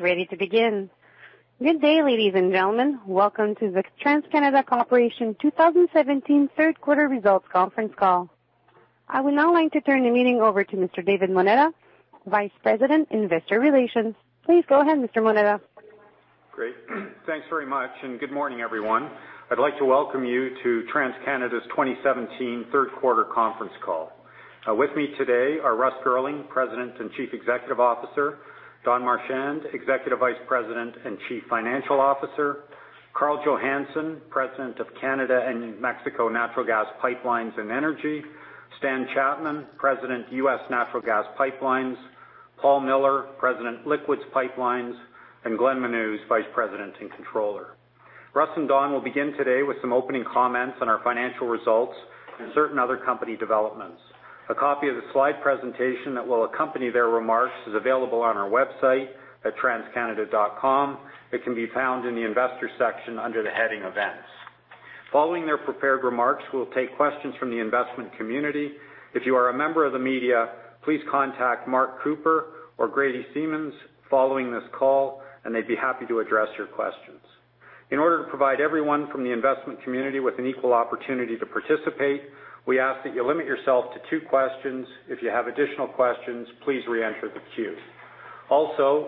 Ready to begin. Good day, ladies and gentlemen. Welcome to the TransCanada Corporation 2017 third quarter results conference call. I would now like to turn the meeting over to Mr. David Moneta, Vice President, Investor Relations. Please go ahead, Mr. Moneta. Great. Thanks very much, good morning, everyone. I'd like to welcome you to TransCanada's 2017 third quarter conference call. With me today are Russ Girling, President and Chief Executive Officer; Don Marchand, Executive Vice President and Chief Financial Officer; Karl Johannson, President of Canada and Mexico Natural Gas Pipelines and Energy; Stan Chapman, President, U.S. Natural Gas Pipelines; Paul Miller, President, Liquids Pipelines; and Glenn Menuz, Vice-President and Controller. Russ and Don will begin today with some opening comments on our financial results and certain other company developments. A copy of the slide presentation that will accompany their remarks is available on our website at transcanada.com. It can be found in the investor section under the heading Events. Following their prepared remarks, we'll take questions from the investment community. If you are a member of the media, please contact Mark Cooper or Grady Semmens following this call, they'd be happy to address your questions. In order to provide everyone from the investment community with an equal opportunity to participate, we ask that you limit yourself to two questions. If you have additional questions, please re-enter the queue.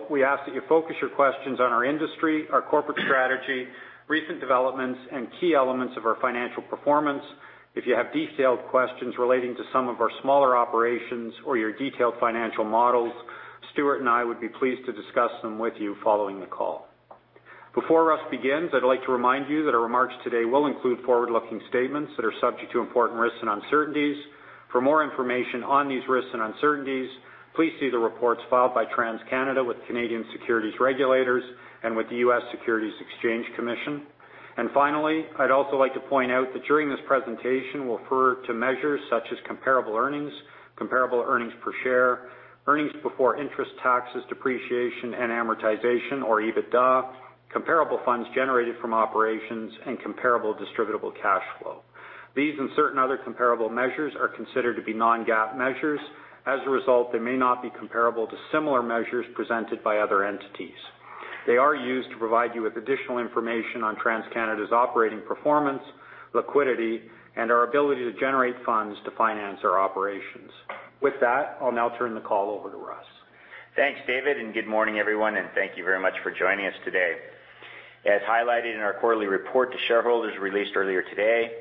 We ask that you focus your questions on our industry, our corporate strategy, recent developments, and key elements of our financial performance. If you have detailed questions relating to some of our smaller operations or your detailed financial models, Stuart and I would be pleased to discuss them with you following the call. Before Russ begins, I'd like to remind you that our remarks today will include forward-looking statements that are subject to important risks and uncertainties. For more information on these risks and uncertainties, please see the reports filed by TransCanada with Canadian securities regulators and with the U.S. Securities and Exchange Commission. Finally, I'd also like to point out that during this presentation, we'll refer to measures such as comparable earnings, comparable earnings per share, earnings before interest, taxes, depreciation, and amortization, or EBITDA, comparable funds generated from operations, and comparable distributable cash flow. These and certain other comparable measures are considered to be non-GAAP measures. As a result, they may not be comparable to similar measures presented by other entities. They are used to provide you with additional information on TransCanada's operating performance, liquidity, and our ability to generate funds to finance our operations. With that, I'll now turn the call over to Russ. Thanks, David, good morning, everyone, and thank you very much for joining us today. As highlighted in our quarterly report to shareholders released earlier today,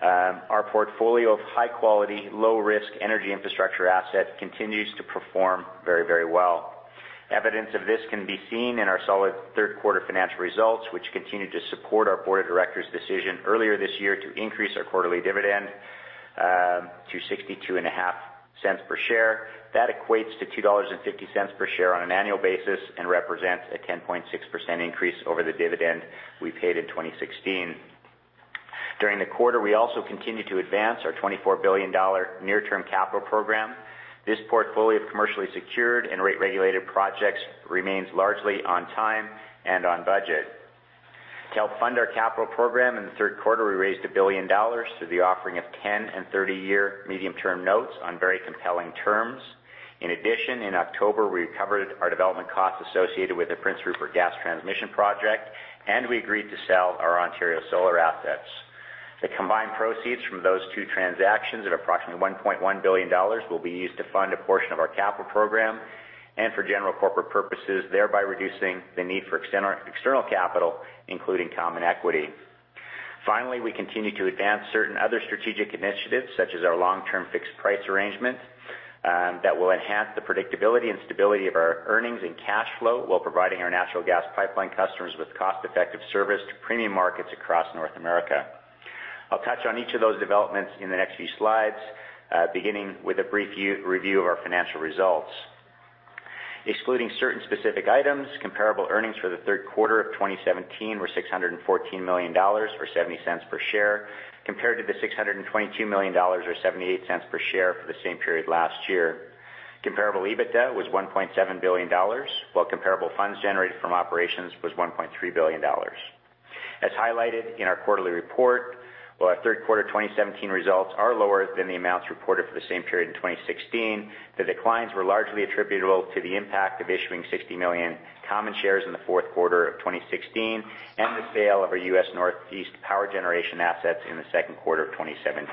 our portfolio of high-quality, low-risk energy infrastructure assets continues to perform very well. Evidence of this can be seen in our solid third quarter financial results, which continue to support our board of directors' decision earlier this year to increase our quarterly dividend to 0.625 per share. That equates to 2.50 dollars per share on an annual basis and represents a 10.6% increase over the dividend we paid in 2016. During the quarter, we also continued to advance our 24 billion dollar near-term capital program. This portfolio of commercially secured and rate-regulated projects remains largely on time and on budget. To help fund our capital program in the third quarter, we raised 1 billion dollars through the offering of 10- and 30-year medium-term notes on very compelling terms. In addition, in October, we recovered our development costs associated with the Prince Rupert Gas Transmission project, and we agreed to sell our Ontario solar assets. The combined proceeds from those two transactions at approximately 1.1 billion dollars will be used to fund a portion of our capital program and for general corporate purposes, thereby reducing the need for external capital, including common equity. Finally, we continue to advance certain other strategic initiatives, such as our long-term fixed-price arrangements that will enhance the predictability and stability of our earnings and cash flow while providing our natural gas pipeline customers with cost-effective service to premium markets across North America. I'll touch on each of those developments in the next few slides, beginning with a brief review of our financial results. Excluding certain specific items, comparable earnings for the third quarter of 2017 were 614 million dollars, or 0.70 per share, compared to the 622 million dollars or 0.78 per share for the same period last year. Comparable EBITDA was 1.7 billion dollars, while comparable funds generated from operations was 1.3 billion dollars. As highlighted in our quarterly report, while our third quarter 2017 results are lower than the amounts reported for the same period in 2016, the declines were largely attributable to the impact of issuing 60 million common shares in the fourth quarter of 2016 and the sale of our U.S. Northeast power generation assets in the second quarter of 2017.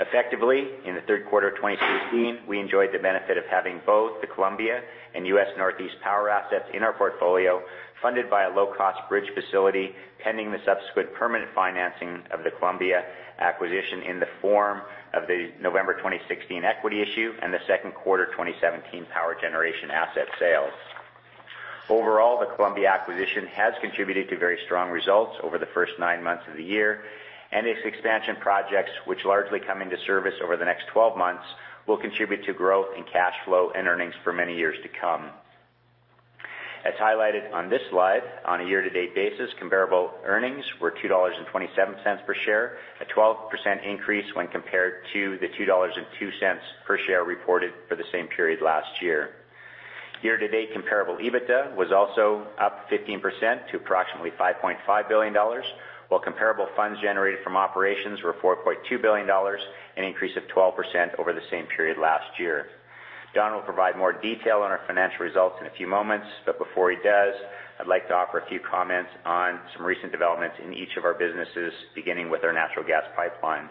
Effectively, in the third quarter of 2016, we enjoyed the benefit of having both the Columbia and U.S. Northeast power assets in our portfolio funded by a low-cost bridge facility pending the subsequent permanent financing of the Columbia acquisition in the form of the November 2016 equity issue and the second quarter 2017 power generation asset sales. Overall, the Columbia acquisition has contributed to very strong results over the first nine months of the year, and its expansion projects, which largely come into service over the next 12 months, will contribute to growth in cash flow and earnings for many years to come. As highlighted on this slide, on a year-to-date basis, comparable earnings were 2.27 dollars per share, a 12% increase when compared to the 2.02 dollars per share reported for the same period last year. Year-to-date comparable EBITDA was also up 15% to approximately 5.5 billion dollars, while comparable funds generated from operations were 4.2 billion dollars, an increase of 12% over the same period last year. Don will provide more detail on our financial results in a few moments. Before he does, I'd like to offer a few comments on some recent developments in each of our businesses, beginning with our natural gas pipelines.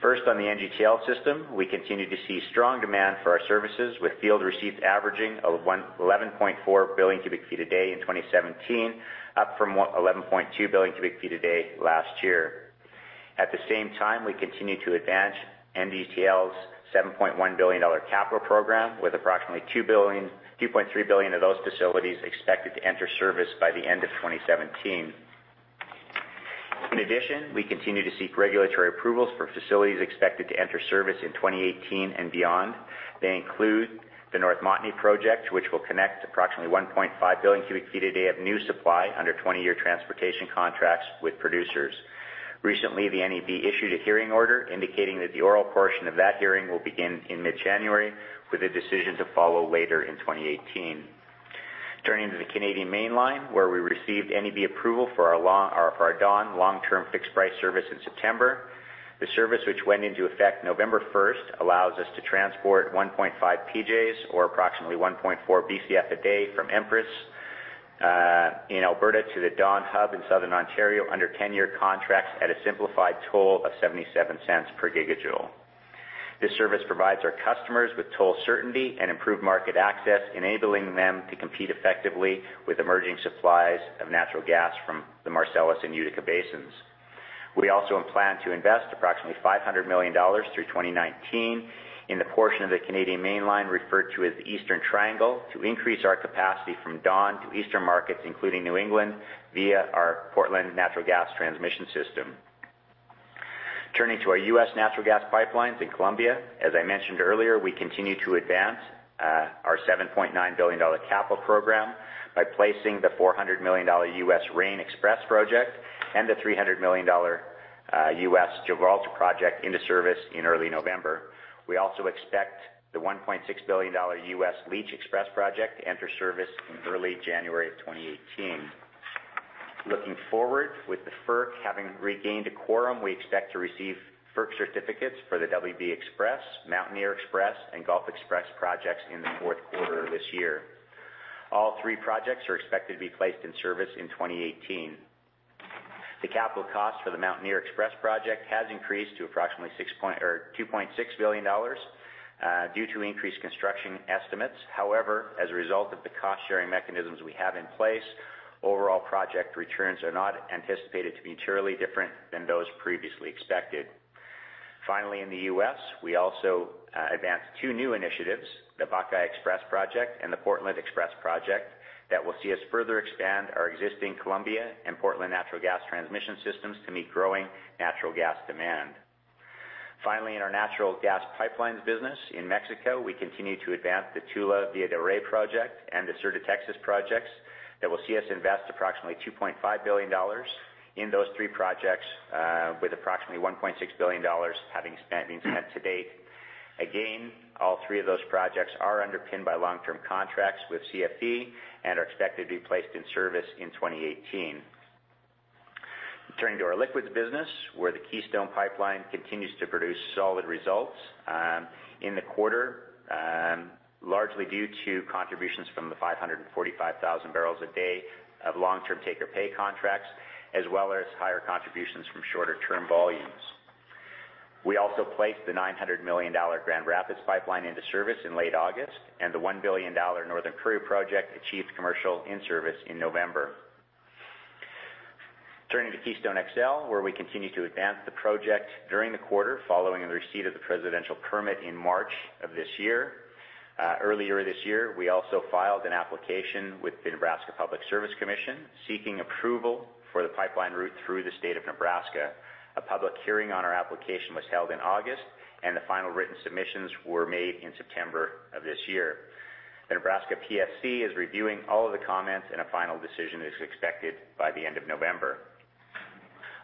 First, on the NGTL system, we continue to see strong demand for our services, with field receipts averaging 11.4 Bcf a day in 2017, up from 11.2 Bcf a day last year. At the same time, we continue to advance NGTL's 7.1 billion dollar capital program, with approximately 2.3 billion of those facilities expected to enter service by the end of 2017. In addition, we continue to seek regulatory approvals for facilities expected to enter service in 2018 and beyond. They include the North Montney project, which will connect approximately 1.5 Bcf a day of new supply under 20-year transportation contracts with producers. Recently, the NEB issued a hearing order indicating that the oral portion of that hearing will begin in mid-January, with a decision to follow later in 2018. Turning to the Canadian Mainline, where we received NEB approval for our Dawn Long-Term Fixed-Price service in September. The service, which went into effect November 1st, allows us to transport 1.5 PJ or approximately 1.4 Bcf a day from Empress in Alberta to the Dawn hub in Southern Ontario under 10-year contracts at a simplified toll of 0.77 per gigajoule. This service provides our customers with toll certainty and improved market access, enabling them to compete effectively with emerging supplies of natural gas from the Marcellus and Utica basins. We also plan to invest approximately 500 million dollars through 2019 in the portion of the Canadian Mainline referred to as the Eastern Triangle, to increase our capacity from Dawn to eastern markets, including New England, via our Portland Natural Gas Transmission System. Turning to our U.S. natural gas pipelines in Columbia, as I mentioned earlier, we continue to advance our 7.9 billion dollar capital program by placing the 400 million dollar U.S. Rayne XPress project and the 300 million dollar U.S. Gibraltar project into service in early November. We also expect the 1.6 billion dollar U.S. Leach XPress project to enter service in early January of 2018. Looking forward, with the FERC having regained a quorum, we expect to receive FERC certificates for the WB XPress, Mountaineer XPress, and Gulf XPress projects in the fourth quarter of this year. All three projects are expected to be placed in service in 2018. The capital cost for the Mountaineer XPress project has increased to approximately 2.6 billion dollars due to increased construction estimates. However, as a result of the cost-sharing mechanisms we have in place, overall project returns are not anticipated to be materially different than those previously expected. Finally, in the U.S., we also advanced two new initiatives, the Buckeye XPress project and the Portland XPress project, that will see us further expand our existing Columbia and Portland Natural Gas Transmission Systems to meet growing natural gas demand. Finally, in our natural gas pipelines business in Mexico, we continue to advance the Tula, Villa de Reyes project and the Sur de Texas projects that will see us invest approximately 2.5 billion dollars in those three projects, with approximately 1.6 billion dollars having been spent to date. Again, all three of those projects are underpinned by long-term contracts with CFE and are expected to be placed in service in 2018. Turning to our liquids business, where the Keystone pipeline continues to produce solid results in the quarter, largely due to contributions from the 545,000 barrels a day of long-term take-or-pay contracts, as well as higher contributions from shorter-term volumes. We also placed the 900 million dollar Grand Rapids pipeline into service in late August, and the 1 billion dollar Northern Courier project achieved commercial in-service in November. Turning to Keystone XL, where we continued to advance the project during the quarter following the receipt of the presidential permit in March of this year. Earlier this year, we also filed an application with the Nebraska Public Service Commission seeking approval for the pipeline route through the state of Nebraska. A public hearing on our application was held in August, and the final written submissions were made in September of this year. The Nebraska PSC is reviewing all of the comments, and a final decision is expected by the end of November.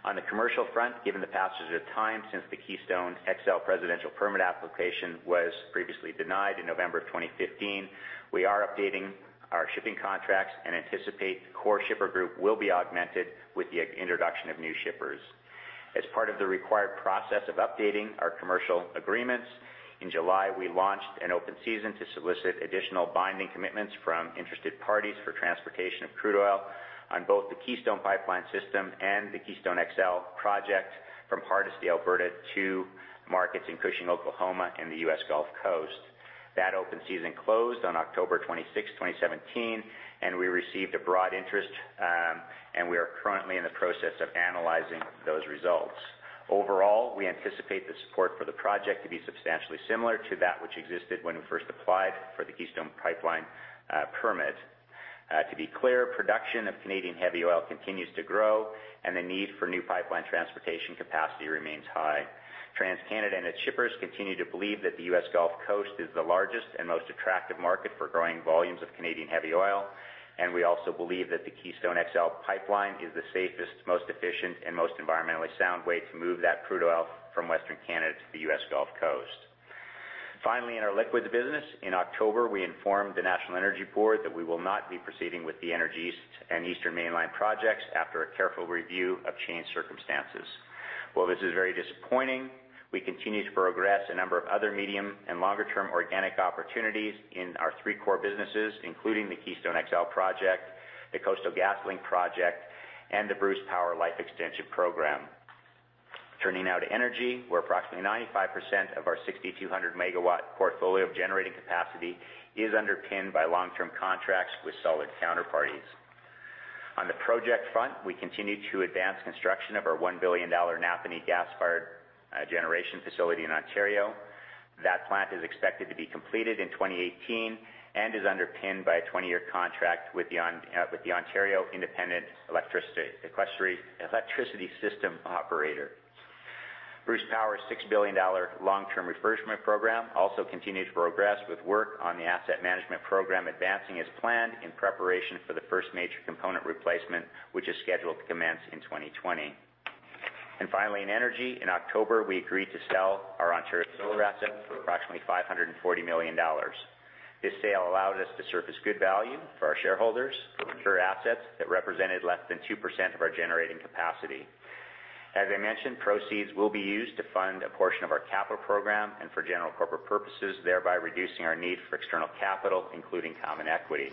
On the commercial front, given the passage of time since the Keystone XL presidential permit application was previously denied in November of 2015, we are updating our shipping contracts and anticipate the core shipper group will be augmented with the introduction of new shippers. As part of the required process of updating our commercial agreements, in July, we launched an open season to solicit additional binding commitments from interested parties for transportation of crude oil on both the Keystone pipeline system and the Keystone XL project from Hardisty, Alberta to markets in Cushing, Oklahoma and the US Gulf Coast. That open season closed on October 26th, 2017, and we received a broad interest, and we are currently in the process of analyzing those results. Overall, we anticipate the support for the project to be substantially similar to that which existed when we first applied for the Keystone pipeline permit. To be clear, production of Canadian heavy oil continues to grow and the need for new pipeline transportation capacity remains high. TransCanada and its shippers continue to believe that the US Gulf Coast is the largest and most attractive market for growing volumes of Canadian heavy oil, and we also believe that the Keystone XL pipeline is the safest, most efficient, and most environmentally sound way to move that crude oil from Western Canada to the US Gulf Coast. Finally, in our liquids business, in October, we informed the National Energy Board that we will not be proceeding with the Energy East and Eastern Mainline projects after a careful review of changed circumstances. While this is very disappointing, we continue to progress a number of other medium and longer-term organic opportunities in our three core businesses, including the Keystone XL project, the Coastal GasLink project, and the Bruce Power Life Extension program. Turning now to energy, where approximately 95% of our 6,200-megawatt portfolio of generating capacity is underpinned by long-term contracts with solid counterparties. On the project front, we continue to advance construction of our 1 billion dollar Napanee gas-fired generation facility in Ontario. That plant is expected to be completed in 2018 and is underpinned by a 20-year contract with the Ontario Independent Electricity System Operator. Bruce Power's 6 billion dollar long-term refurbishment program also continues to progress with work on the asset management program advancing as planned in preparation for the first major component replacement, which is scheduled to commence in 2020. Finally, in energy, in October, we agreed to sell our Ontario asset for approximately 540 million dollars. This sale allowed us to surface good value for our shareholders for mature assets that represented less than 2% of our generating capacity. As I mentioned, proceeds will be used to fund a portion of our capital program and for general corporate purposes, thereby reducing our need for external capital, including common equity.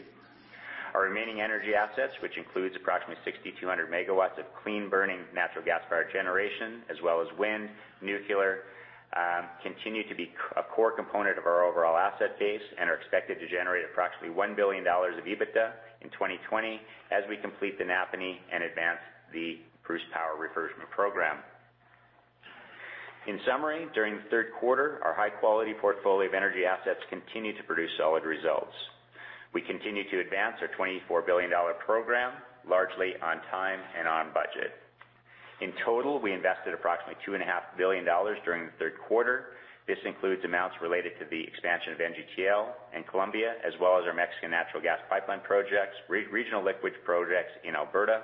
Our remaining energy assets, which includes approximately 6,200 megawatts of clean-burning natural gas-fired generation, as well as wind, nuclear, continue to be a core component of our overall asset base and are expected to generate approximately 1 billion dollars of EBITDA in 2020 as we complete the Napanee and advance the Bruce Power refurbishment program. In summary, during the third quarter, our high-quality portfolio of energy assets continued to produce solid results. We continue to advance our 24 billion dollar program largely on time and on budget. In total, we invested approximately 2.5 billion dollars during the third quarter. This includes amounts related to the expansion of NGTL and Columbia, as well as our Mexican natural gas pipeline projects, regional liquids projects in Alberta,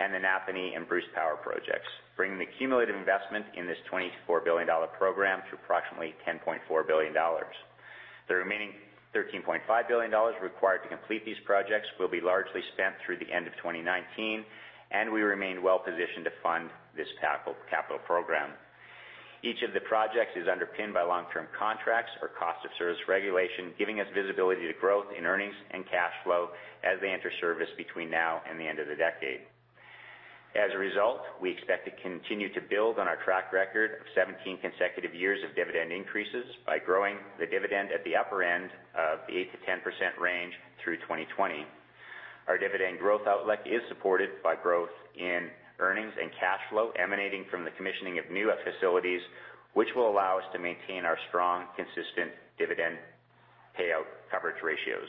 and the Napanee and Bruce Power projects, bringing the cumulative investment in this 24 billion dollar program to approximately 10.4 billion dollars. The remaining 13.5 billion dollars required to complete these projects will be largely spent through the end of 2019, and we remain well-positioned to fund this capital program. Each of the projects is underpinned by long-term contracts or cost of service regulation, giving us visibility to growth in earnings and cash flow as they enter service between now and the end of the decade. As a result, we expect to continue to build on our track record of 17 consecutive years of dividend increases by growing the dividend at the upper end of the 8%-10% range through 2020. Our dividend growth outlook is supported by growth in earnings and cash flow emanating from the commissioning of new facilities, which will allow us to maintain our strong, consistent dividend payout coverage ratios.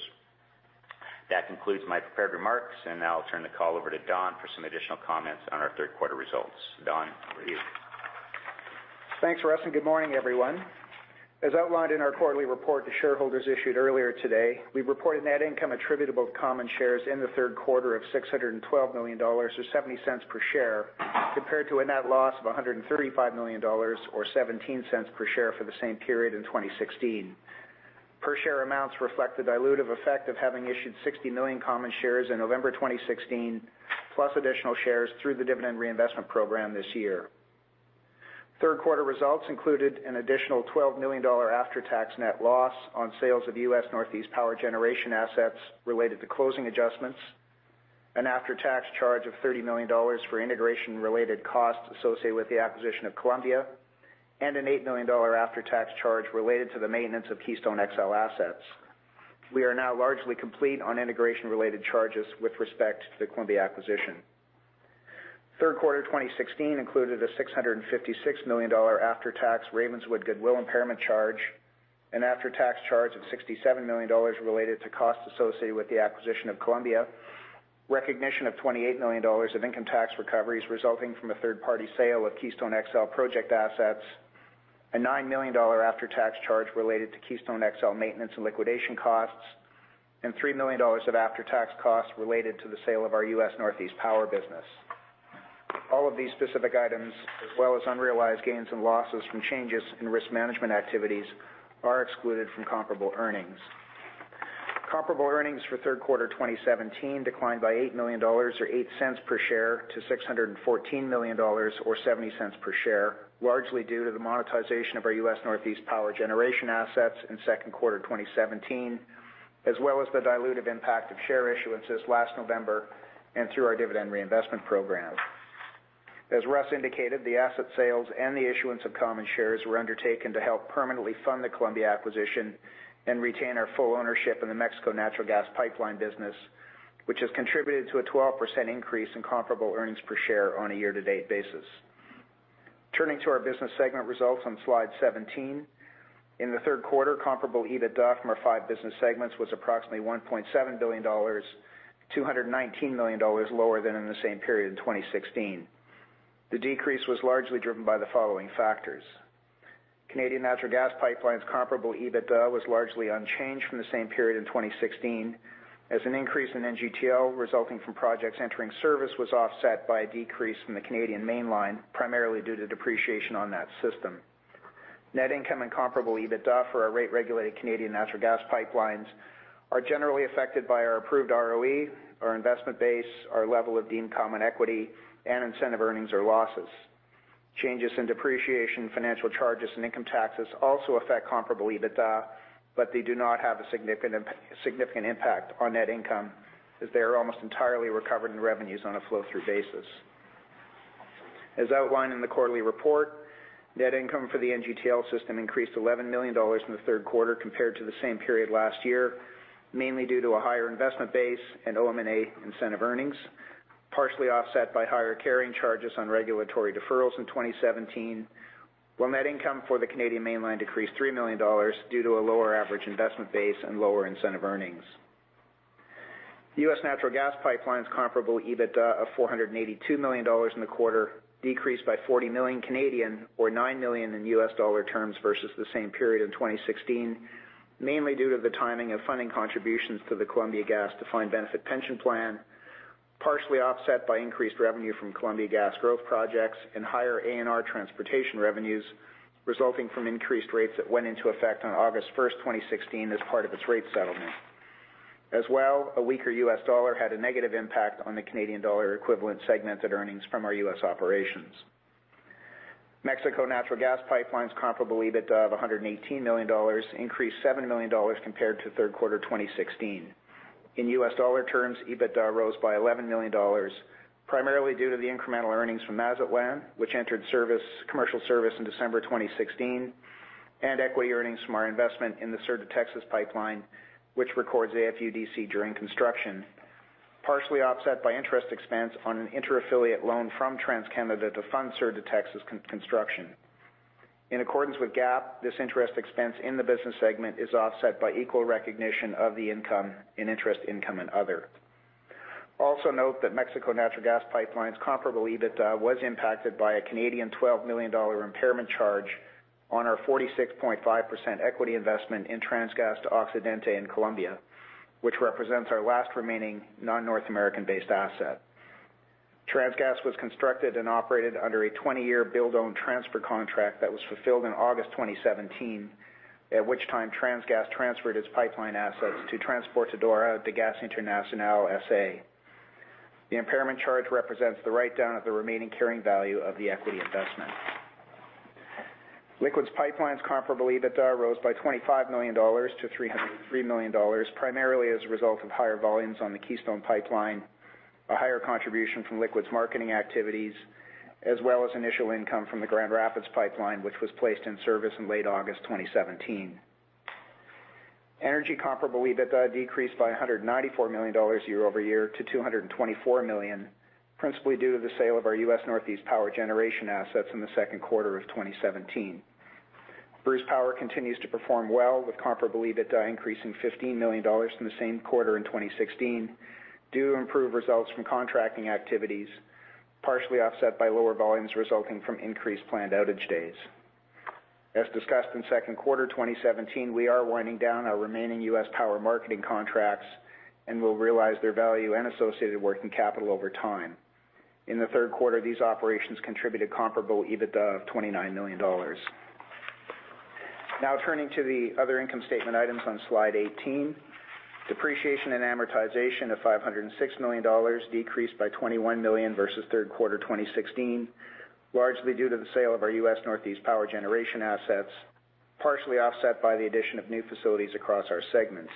That concludes my prepared remarks, and now I'll turn the call over to Don for some additional comments on our third-quarter results. Don, over to you. Thanks, Russ, and good morning, everyone. As outlined in our quarterly report to shareholders issued earlier today, we reported net income attributable to common shares in the third quarter of 612 million dollars, or 0.70 per share, compared to a net loss of 135 million dollars or 0.17 per share for the same period in 2016. Per-share amounts reflect the dilutive effect of having issued 60 million common shares in November 2016, plus additional shares through the Dividend Reinvestment Program this year. Third quarter results included an additional 12 million dollar after-tax net loss on sales of U.S. Northeast power generation assets related to closing adjustments, an after-tax charge of 30 million dollars for integration-related costs associated with the acquisition of Columbia, and an 8 million dollar after-tax charge related to the maintenance of Keystone XL assets. We are now largely complete on integration-related charges with respect to the Columbia acquisition. Third quarter 2016 included a 656 million dollar after-tax Ravenswood goodwill impairment charge, an after-tax charge of 67 million dollars related to costs associated with the acquisition of Columbia, recognition of 28 million dollars of income tax recoveries resulting from a third-party sale of Keystone XL project assets, a 9 million dollar after-tax charge related to Keystone XL maintenance and liquidation costs, and 3 million dollars of after-tax costs related to the sale of our U.S. Northeast power business. All of these specific items, as well as unrealized gains and losses from changes in risk management activities, are excluded from comparable earnings. Comparable earnings for third quarter 2017 declined by 8 million dollars, or 0.08 per share, to 614 million dollars, or 0.70 per share, largely due to the monetization of our U.S. Northeast power generation assets in second quarter 2017, as well as the dilutive impact of share issuances last November and through our Dividend Reinvestment Program. As Russ indicated, the asset sales and the issuance of common shares were undertaken to help permanently fund the Columbia acquisition and retain our full ownership in the Mexico natural gas pipeline business, which has contributed to a 12% increase in comparable earnings per share on a year-to-date basis. Turning to our business segment results on slide 17. In the third quarter, comparable EBITDA from our five business segments was approximately 1.7 billion dollars, 219 million dollars lower than in the same period in 2016. The decrease was largely driven by the following factors. Canadian natural gas pipelines comparable EBITDA was largely unchanged from the same period in 2016, as an increase in NGTL resulting from projects entering service was offset by a decrease in the Canadian Mainline, primarily due to depreciation on that system. Net income and comparable EBITDA for our rate-regulated Canadian natural gas pipelines are generally affected by our approved ROE, our investment base, our level of deemed common equity, and incentive earnings or losses. Changes in depreciation, financial charges, and income taxes also affect comparable EBITDA, but they do not have a significant impact on net income, as they are almost entirely recovered in revenues on a flow-through basis. As outlined in the quarterly report, net income for the NGTL System increased 11 million dollars in the third quarter compared to the same period last year, mainly due to a higher investment base and OM&A incentive earnings, partially offset by higher carrying charges on regulatory deferrals in 2017, while net income for the Canadian Mainline decreased 3 million dollars due to a lower average investment base and lower incentive earnings. The U.S. Natural Gas Pipelines comparable EBITDA of 482 million dollars in the quarter decreased by 40 million Canadian dollars, or $9 million in U.S. dollar terms versus the same period in 2016, mainly due to the timing of funding contributions to the Columbia Gas defined benefit pension plan, partially offset by increased revenue from Columbia Gas growth projects and higher ANR transportation revenues resulting from increased rates that went into effect on August 1st, 2016, as part of its rate settlement. A weaker U.S. dollar had a negative impact on the Canadian dollar-equivalent segmented earnings from our U.S. operations. Mexico Natural Gas Pipelines comparable EBITDA of 118 million dollars increased 7 million dollars compared to third quarter 2016. In U.S. dollar terms, EBITDA rose by $11 million, primarily due to the incremental earnings from Mazatlán, which entered commercial service in December 2016, and equity earnings from our investment in the Sur de Texas pipeline, which records AFUDC during construction, partially offset by interest expense on an intra-affiliate loan from TransCanada to fund Sur de Texas construction. In accordance with GAAP, this interest expense in the business segment is offset by equal recognition of the income in interest income and other. Note that Mexico Natural Gas Pipelines comparable EBITDA was impacted by a 12 million Canadian dollars impairment charge on our 46.5% equity investment in TransGas de Occidente in Colombia, which represents our last remaining non-North American-based asset. TransGas was constructed and operated under a 20-year build-own transfer contract that was fulfilled in August 2017, at which time TransGas transferred its pipeline assets to Transportadora de Gas Internacional S.A. The impairment charge represents the write-down of the remaining carrying value of the equity investment. Liquids Pipelines comparable EBITDA rose by 25 million dollars to 303 million dollars, primarily as a result of higher volumes on the Keystone Pipeline, a higher contribution from liquids marketing activities, as well as initial income from the Grand Rapids Pipeline, which was placed in service in late August 2017. Energy comparable EBITDA decreased by 194 million dollars year-over-year to 224 million, principally due to the sale of our U.S. Northeast power generation assets in the second quarter of 2017. Bruce Power continues to perform well, with comparable EBITDA increasing 15 million dollars from the same quarter in 2016 due to improved results from contracting activities, partially offset by lower volumes resulting from increased planned outage days. As discussed in second quarter 2017, we are winding down our remaining U.S. power marketing contracts and will realize their value and associated working capital over time. In the third quarter, these operations contributed comparable EBITDA of 29 million dollars. Turning to the other income statement items on slide 18. Depreciation and amortization of 506 million dollars decreased by 21 million versus third quarter 2016, largely due to the sale of our U.S. Northeast power generation assets, partially offset by the addition of new facilities across our segments.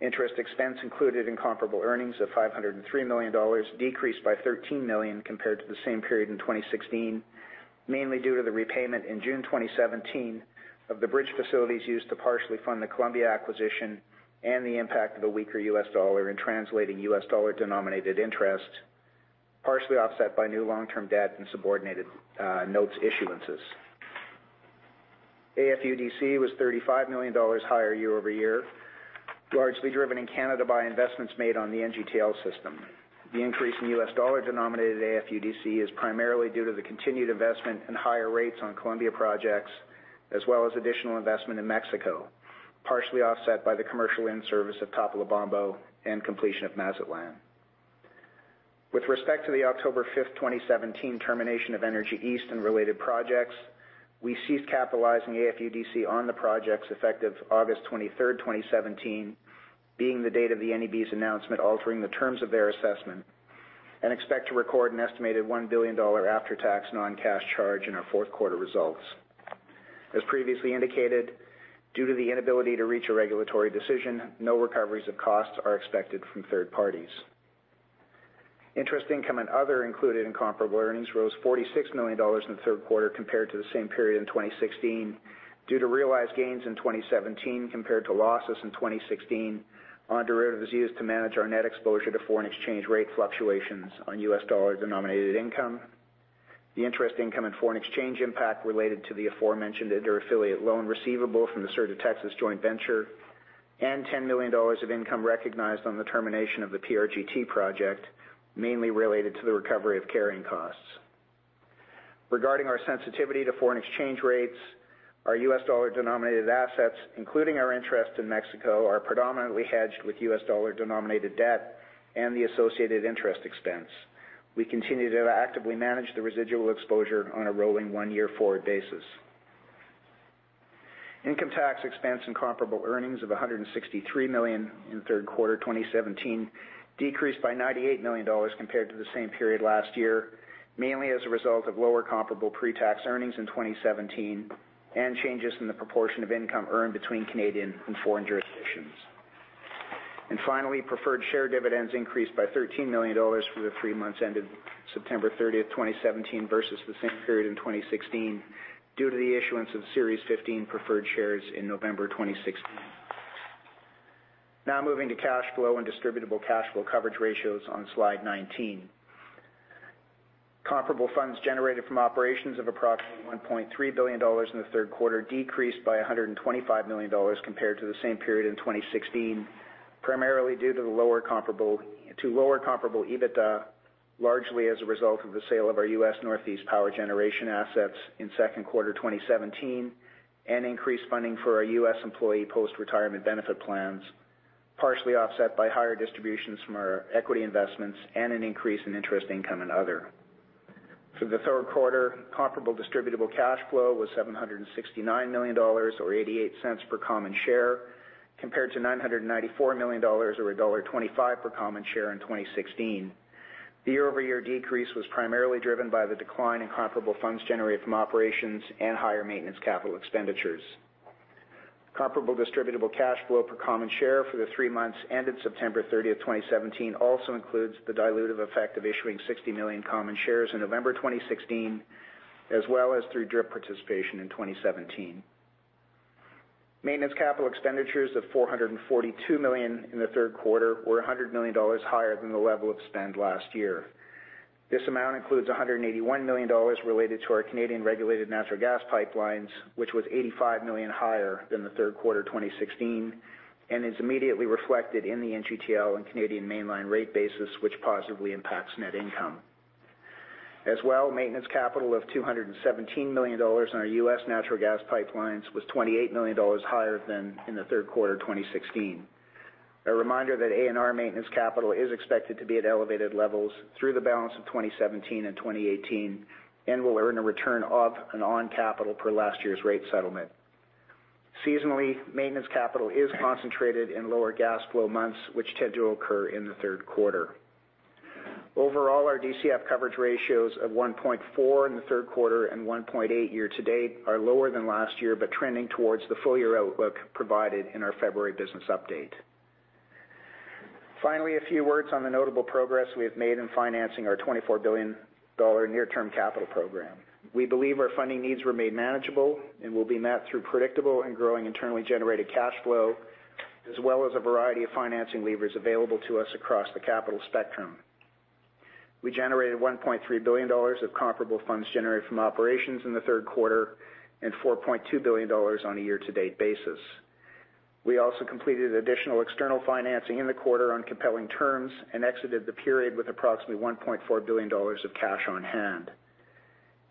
Interest expense included in comparable earnings of 503 million dollars decreased by 13 million compared to the same period in 2016, mainly due to the repayment in June 2017 of the bridge facilities used to partially fund the Columbia acquisition and the impact of a weaker U.S. dollar in translating U.S. dollar-denominated interest, partially offset by new long-term debt and subordinated notes issuances. AFUDC was 35 million dollars higher year-over-year, largely driven in Canada by investments made on the NGTL System. The increase in U.S. dollar-denominated AFUDC is primarily due to the continued investment in higher rates on Columbia projects, as well as additional investment in Mexico, partially offset by the commercial in-service of Topolobampo and completion of Mazatlán. With respect to the October 5th, 2017, termination of Energy East and related projects, we ceased capitalizing AFUDC on the projects effective August 23rd, 2017, being the date of the NEB's announcement altering the terms of their assessment, and expect to record an estimated 1 billion dollar after-tax non-cash charge in our fourth quarter results. As previously indicated, due to the inability to reach a regulatory decision, no recoveries of costs are expected from third parties. Interest income and other included in comparable earnings rose 46 million dollars in the third quarter compared to the same period in 2016 due to realized gains in 2017 compared to losses in 2016 on derivatives used to manage our net exposure to foreign exchange rate fluctuations on U.S. dollar-denominated income, the interest income and foreign exchange impact related to the aforementioned inter-affiliate loan receivable from the Sur de Texas joint venture, and 10 million dollars of income recognized on the termination of the PRGT project, mainly related to the recovery of carrying costs. Regarding our sensitivity to foreign exchange rates, our U.S. dollar-denominated assets, including our interest in Mexico, are predominantly hedged with U.S. dollar-denominated debt and the associated interest expense. We continue to actively manage the residual exposure on a rolling one-year-forward basis. Income tax expense and comparable earnings of 163 million in third quarter 2017 decreased by 98 million dollars compared to the same period last year, mainly as a result of lower comparable pre-tax earnings in 2017 and changes in the proportion of income earned between Canadian and foreign jurisdictions. Finally, preferred share dividends increased by 13 million dollars for the three months ended September 30th, 2017, versus the same period in 2016, due to the issuance of Series 15 preferred shares in November 2016. Moving to cash flow and distributable cash flow coverage ratios on slide 19. Comparable funds generated from operations of approximately 1.3 billion dollars in the third quarter decreased by 125 million dollars compared to the same period in 2016, primarily due to lower comparable EBITDA, largely as a result of the sale of our U.S. Northeast Power Generation assets in second quarter 2017 and increased funding for our U.S. employee post-retirement benefit plans, partially offset by higher distributions from our equity investments and an increase in interest income and other. For the third quarter, comparable distributable cash flow was 769 million dollars, or 0.88 per common share, compared to 994 million dollars or dollar 1.25 per common share in 2016. The year-over-year decrease was primarily driven by the decline in comparable funds generated from operations and higher maintenance capital expenditures. Comparable distributable cash flow per common share for the three months ended September 30, 2017, also includes the dilutive effect of issuing 60 million common shares in November 2016, as well as through DRIP participation in 2017. Maintenance capital expenditures of 442 million in the third quarter were 100 million dollars higher than the level of spend last year. This amount includes 181 million dollars related to our Canadian regulated natural gas pipelines, which was 85 million higher than the third quarter 2016, and is immediately reflected in the NGTL and Canadian Mainline rate basis, which positively impacts net income. As well, maintenance capital of 217 million dollars in our U.S. Natural Gas pipelines was 28 million dollars higher than in the third quarter 2016. A reminder that ANR maintenance capital is expected to be at elevated levels through the balance of 2017 and 2018 and will earn a return of and on capital per last year's rate settlement. Seasonally, maintenance capital is concentrated in lower gas flow months, which tend to occur in the third quarter. Overall, our DCF coverage ratios of 1.4 in the third quarter and 1.8 year-to-date are lower than last year, but trending towards the full-year outlook provided in our February business update. Finally, a few words on the notable progress we have made in financing our 24 billion dollar near-term capital program. We believe our funding needs remain manageable and will be met through predictable and growing internally generated cash flow, as well as a variety of financing levers available to us across the capital spectrum. We generated 1.3 billion dollars of comparable funds generated from operations in the third quarter and 4.2 billion dollars on a year-to-date basis. We also completed additional external financing in the quarter on compelling terms and exited the period with approximately 1.4 billion dollars of cash on hand.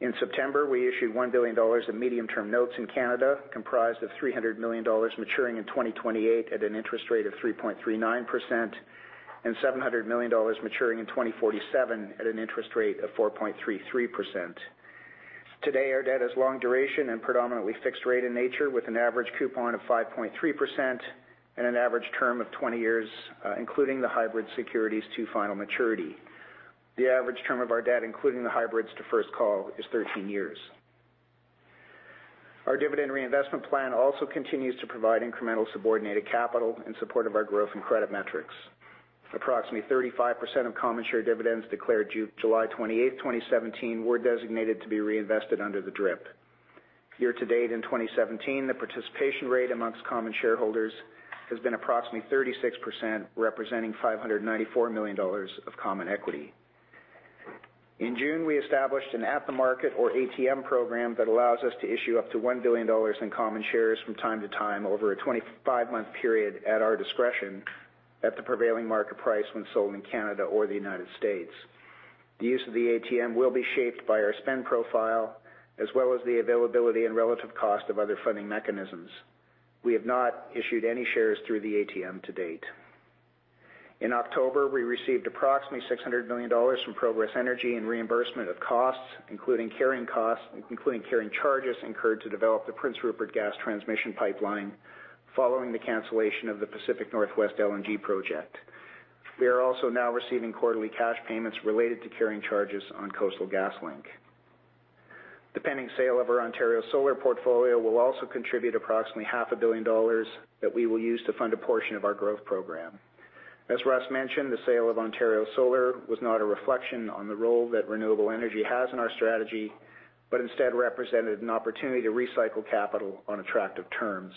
In September, we issued 1 billion dollars of medium-term notes in Canada, comprised of 300 million dollars maturing in 2028 at an interest rate of 3.39% and 700 million dollars maturing in 2047 at an interest rate of 4.33%. To date, our debt is long duration and predominantly fixed rate in nature, with an average coupon of 5.3% and an average term of 20 years, including the hybrid securities to final maturity. The average term of our debt, including the hybrids to first call, is 13 years. Our dividend reinvestment plan also continues to provide incremental subordinated capital in support of our growth and credit metrics. Approximately 35% of common share dividends declared July 28th, 2017, were designated to be reinvested under the DRIP. Year to date in 2017, the participation rate amongst common shareholders has been approximately 36%, representing 594 million dollars of common equity. In June, we established an at-the-market, or ATM, program that allows us to issue up to 1 billion dollars in common shares from time to time over a 25-month period at our discretion at the prevailing market price when sold in Canada or the U.S. The use of the ATM will be shaped by our spend profile, as well as the availability and relative cost of other funding mechanisms. We have not issued any shares through the ATM to date. In October, we received approximately 600 million dollars from Progress Energy in reimbursement of costs, including carrying charges incurred to develop the Prince Rupert Gas Transmission pipeline following the cancellation of the Pacific NorthWest LNG project. We are also now receiving quarterly cash payments related to carrying charges on Coastal GasLink. The pending sale of our Ontario Solar portfolio will also contribute approximately half a billion dollars that we will use to fund a portion of our growth program. As Russ mentioned, the sale of Ontario Solar was not a reflection on the role that renewable energy has in our strategy, but instead represented an opportunity to recycle capital on attractive terms.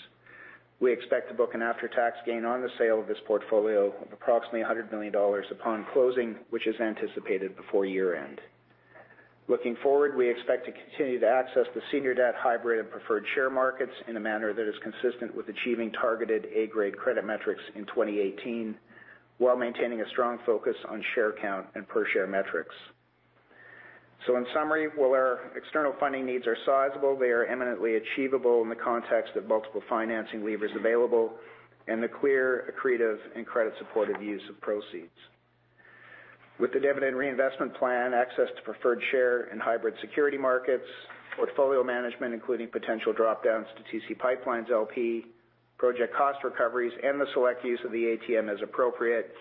We expect to book an after-tax gain on the sale of this portfolio of approximately 100 million dollars upon closing, which is anticipated before year-end. Looking forward, we expect to continue to access the senior debt hybrid and preferred share markets in a manner that is consistent with achieving targeted A-grade credit metrics in 2018, while maintaining a strong focus on share count and per-share metrics. In summary, while our external funding needs are sizable, they are imminently achievable in the context of multiple financing levers available and the clear, accretive, and credit-supportive use of proceeds. With the dividend reinvestment plan, access to preferred share and hybrid security markets, portfolio management, including potential drop-downs to TC PipeLines, LP, project cost recoveries, and the select use of the ATM as appropriate,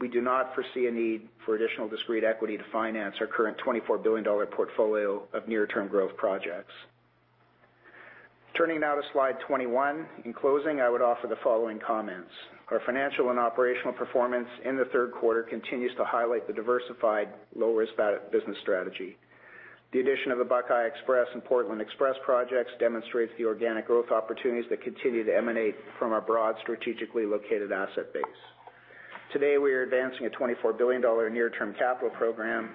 we do not foresee a need for additional discrete equity to finance our current 24 billion dollar portfolio of near-term growth projects. Turning now to slide 21. In closing, I would offer the following comments. Our financial and operational performance in the third quarter continues to highlight the diversified low-risk business strategy. The addition of the Buckeye XPress and Portland XPress projects demonstrates the organic growth opportunities that continue to emanate from our broad, strategically located asset base. Today, we are advancing a 24 billion dollar near-term capital program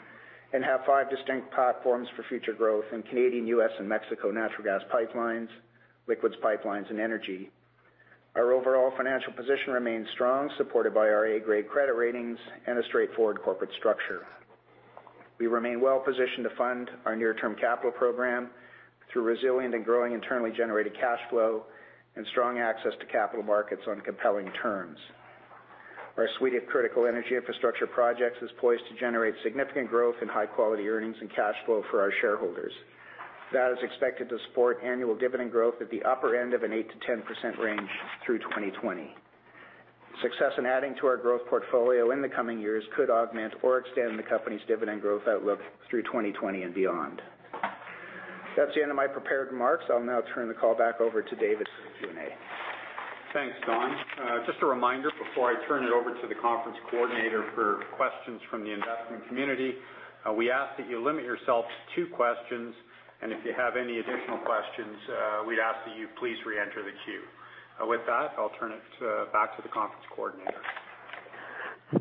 and have five distinct platforms for future growth in Canadian, U.S., and Mexico natural gas pipelines, liquids pipelines, and energy. Our overall financial position remains strong, supported by our A-grade credit ratings and a straightforward corporate structure. We remain well-positioned to fund our near-term capital program through resilient and growing internally-generated cash flow and strong access to capital markets on compelling terms. Our suite of critical energy infrastructure projects is poised to generate significant growth in high-quality earnings and cash flow for our shareholders. That is expected to support annual dividend growth at the upper end of an 8%-10% range through 2020. Success in adding to our growth portfolio in the coming years could augment or extend the company's dividend growth outlook through 2020 and beyond. That's the end of my prepared remarks. I'll now turn the call back over to David for Q&A. Thanks, Don. Just a reminder before I turn it over to the conference coordinator for questions from the investment community. We ask that you limit yourself to two questions. If you have any additional questions, we'd ask that you please re-enter the queue. With that, I'll turn it back to the conference coordinator.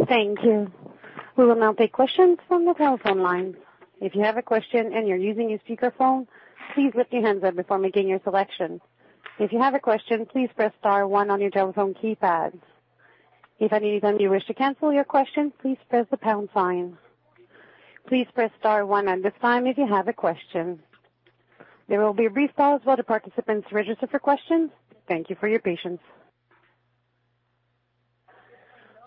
Thank you. We will now take questions from the telephone lines. If you have a question and you're using a speakerphone, please lift your hands up before making your selection. If you have a question, please press * one on your telephone keypad. If at any time you wish to cancel your question, please press the pound sign. Please press * one at this time if you have a question. There will be a brief pause while the participants register for questions. Thank you for your patience.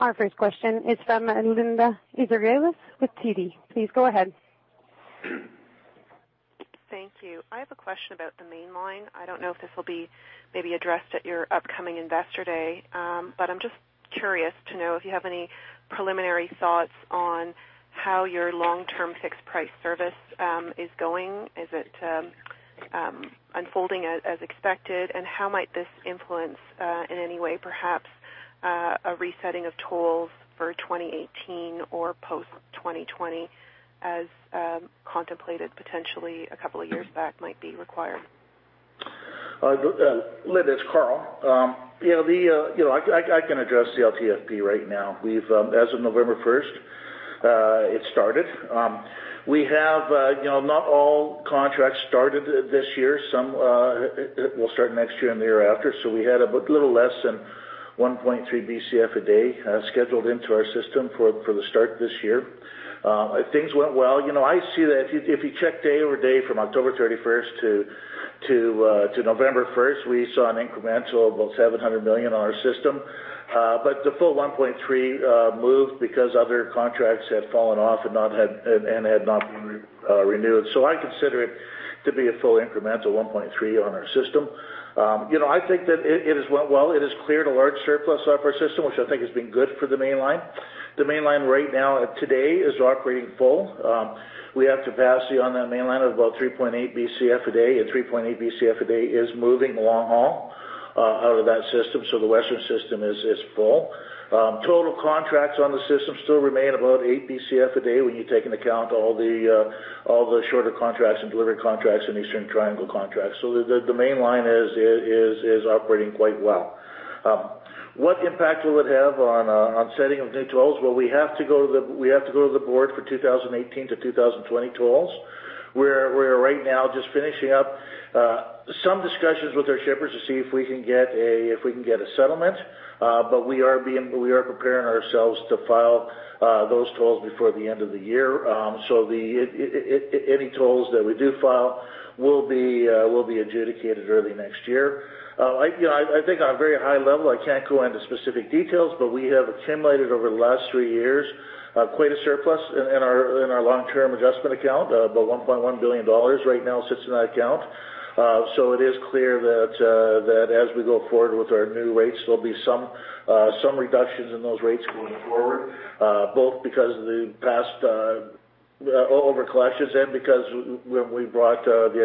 Our first question is from Linda Ezergailis with TD. Please go ahead. Thank you. I have a question about the Mainline. I don't know if this will be maybe addressed at your upcoming Investor Day, I'm just curious to know if you have any preliminary thoughts on how your Long-Term Fixed-Price service is going. Is it unfolding as expected, how might this influence, in any way perhaps, a resetting of tolls for 2018 or post-2020 as contemplated potentially a couple of years back might be required? Linda, it's Karl. I can address the LTFP right now. As of November 1st, it started. Not all contracts started this year. Some will start next year and the year after. We had a little less than 1.3 Bcf a day scheduled into our system for the start this year. Things went well. I see that if you check day over day from October 31st to November 1st, we saw an incremental of about 700 million on our system. The full 1.3 moved because other contracts had fallen off and had not been renewed. I consider it to be a full incremental 1.3 on our system. I think that it has went well. It has cleared a large surplus off our system, which I think has been good for the mainline. The mainline right now, today, is operating full. We have capacity on that mainline of about 3.8 Bcf a day, 3.8 Bcf a day is moving long haul out of that system, the western system is full. Total contracts on the system still remain above eight Bcf a day when you take into account all the shorter contracts and delivery contracts and Eastern Triangle contracts. The mainline is operating quite well. What impact will it have on setting of new tolls? We have to go to the board for 2018 to 2020 tolls. We're right now just finishing up some discussions with our shippers to see if we can get a settlement. We are preparing ourselves to file those tolls before the end of the year. Any tolls that we do file will be adjudicated early next year. I think on a very high level, I can't go into specific details, we have accumulated over the last three years quite a surplus in our long-term adjustment account. About 1.1 billion dollars right now sits in that account. It is clear that as we go forward with our new rates, there'll be some reductions in those rates going forward, both because of the past overcollections and because when we brought the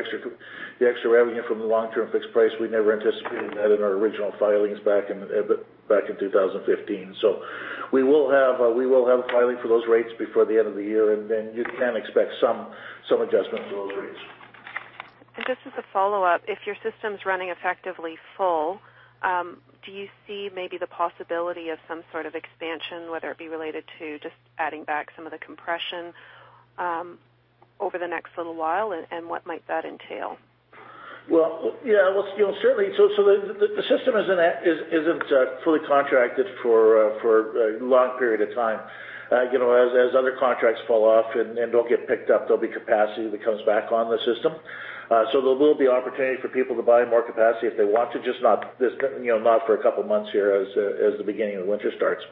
extra revenue from the long-term fixed price, we never anticipated that in our original filings back in 2015. We will have a filing for those rates before the end of the year, then you can expect some adjustment to those rates. Just as a follow-up, if your system's running effectively full, do you see maybe the possibility of some sort of expansion, whether it be related to just adding back some of the compression over the next little while, what might that entail? Well, yeah. Certainly. The system isn't fully contracted for a long period of time. As other contracts fall off and don't get picked up, there'll be capacity that comes back on the system. There will be opportunity for people to buy more capacity if they want to, just not for a couple of months here as the beginning of winter starts.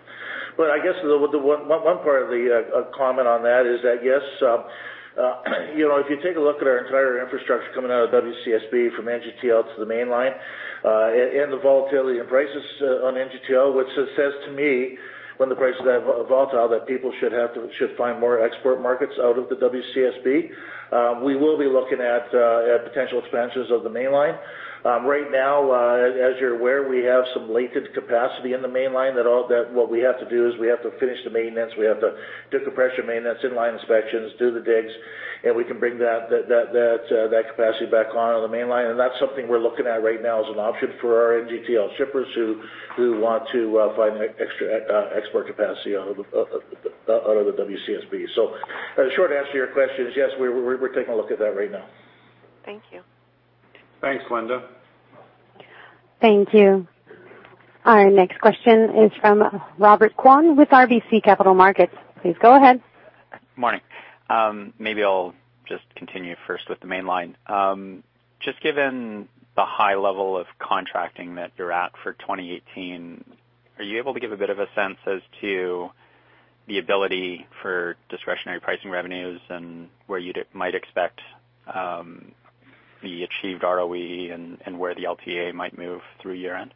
I guess the one part of the comment on that is that, yes, if you take a look at our entire infrastructure coming out of WCSB from NGTL to the mainline, and the volatility and prices on NGTL, what it says to me, when the prices are volatile, that people should find more export markets out of the WCSB. We will be looking at potential expansions of the mainline. Right now, as you're aware, we have some latent capacity in the mainline that what we have to do is we have to finish the maintenance, we have to do compression maintenance, inline inspections, do the digs, and we can bring that capacity back on the mainline. That's something we're looking at right now as an option for our NGTL shippers who want to find extra export capacity out of the WCSB. The short answer to your question is yes, we're taking a look at that right now. Thank you. Thanks, Linda. Thank you. Our next question is from Robert Kwan with RBC Capital Markets. Please go ahead. Morning. Maybe I'll just continue first with the Mainline. Just given the high level of contracting that you're at for 2018, are you able to give a bit of a sense as to the ability for discretionary pricing revenues and where you might expect the achieved ROE and where the LTA might move through year-end?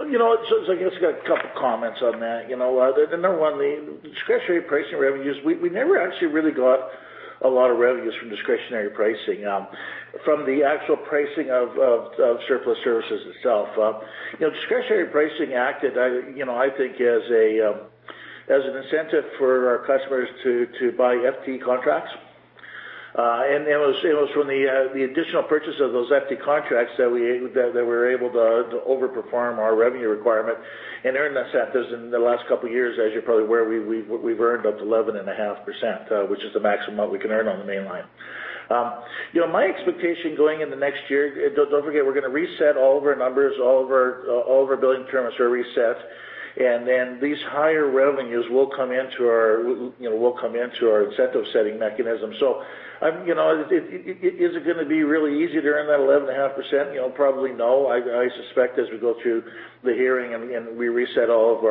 I guess I got a couple comments on that. Number one, the discretionary pricing revenues, we never actually really got a lot of revenues from discretionary pricing, from the actual pricing of surplus services itself. Discretionary pricing acted, I think, as an incentive for our customers to buy FT contracts. It was from the additional purchase of those FT contracts that we're able to over-perform our revenue requirement and earn the incentives in the last couple of years. As you're probably aware, we've earned up to 11.5%, which is the maximum amount we can earn on the Mainline. My expectation going in the next year, don't forget, we're going to reset all of our numbers, all of our billing terms are reset, and then these higher revenues will come into our incentive setting mechanism. Is it going to be really easy to earn that 11.5%? Probably no. I suspect as we go through the hearing and we reset all of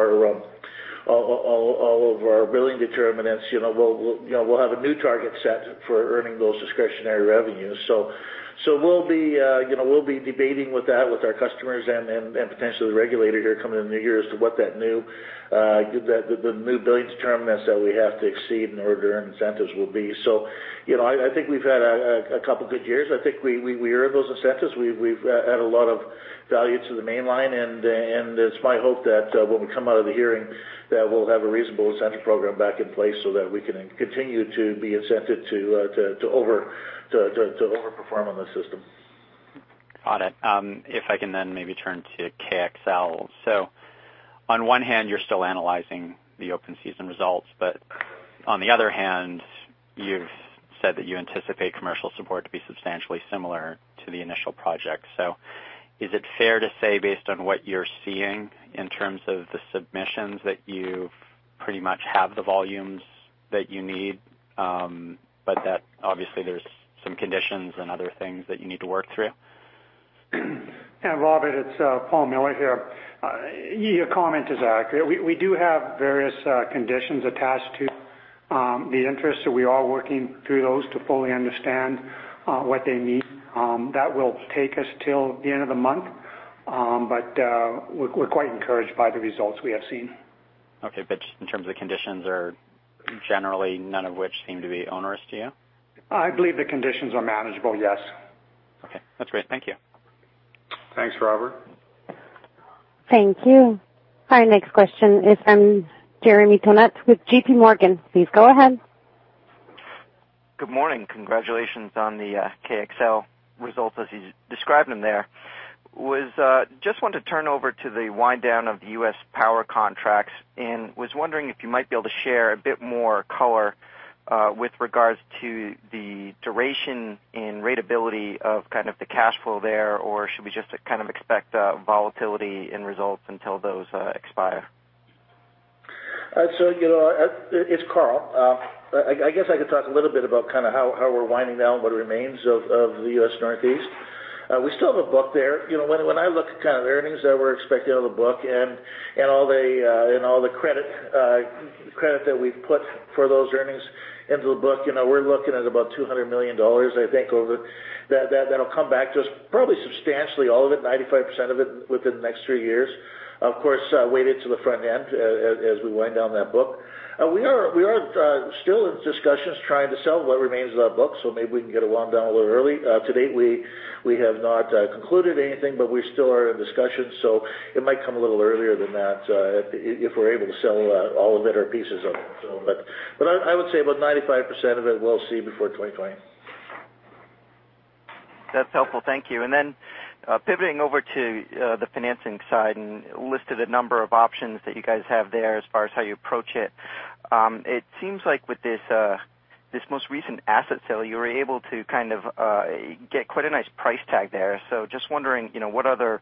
our billing determinants, we'll have a new target set for earning those discretionary revenues. We'll be debating with that with our customers and potentially the regulator here coming in the new year as to what the new billing determinants that we have to exceed in order to earn incentives will be. I think we've had a couple of good years. I think we earned those incentives. We've added a lot of value to the Mainline, and it's my hope that when we come out of the hearing, that we'll have a reasonable incentive program back in place so that we can continue to be incented to over-perform on the system. Got it. If I can maybe turn to KXL. On one hand, you're still analyzing the open season results, but on the other hand, you've said that you anticipate commercial support to be substantially similar to the initial project. Is it fair to say, based on what you're seeing in terms of the submissions, that you've pretty much have the volumes that you need, but that obviously there's some conditions and other things that you need to work through? Yeah, Robert, it's Paul Miller here. Your comment is accurate. We do have various conditions attached to the interest, we are working through those to fully understand what they mean. That will take us till the end of the month. We're quite encouraged by the results we have seen. Okay. In terms of the conditions are generally none of which seem to be onerous to you? I believe the conditions are manageable, yes. Okay. That's great. Thank you. Thanks, Robert. Thank you. Our next question is from Jeremy Tonet with J.P. Morgan. Please go ahead. Good morning. Congratulations on the KXL results as you described them there. Just wanted to turn over to the wind down of the U.S. power contracts, and was wondering if you might be able to share a bit more color with regards to the duration and ratability of kind of the cash flow there, or should we just kind of expect volatility in results until those expire? It's Karl. I guess I could talk a little bit about how we're winding down what remains of the U.S. Northeast. We still have a book there. When I look at kind of the earnings that we're expecting out of the book and all the credit that we've put for those earnings into the book, we're looking at about 200 million dollars, I think, that'll come back to us, probably substantially all of it, 95% of it, within the next three years. Of course, weighted to the front end as we wind down that book. We are still in discussions trying to sell what remains of that book, maybe we can get it wound down a little early. To date, we have not concluded anything, we still are in discussions, it might come a little earlier than that, if we're able to sell all of it or pieces of it. I would say about 95% of it we'll see before 2020. That's helpful. Thank you. Pivoting over to the financing side and listed a number of options that you guys have there as far as how you approach it. It seems like with this most recent asset sale, you were able to get quite a nice price tag there. Just wondering are there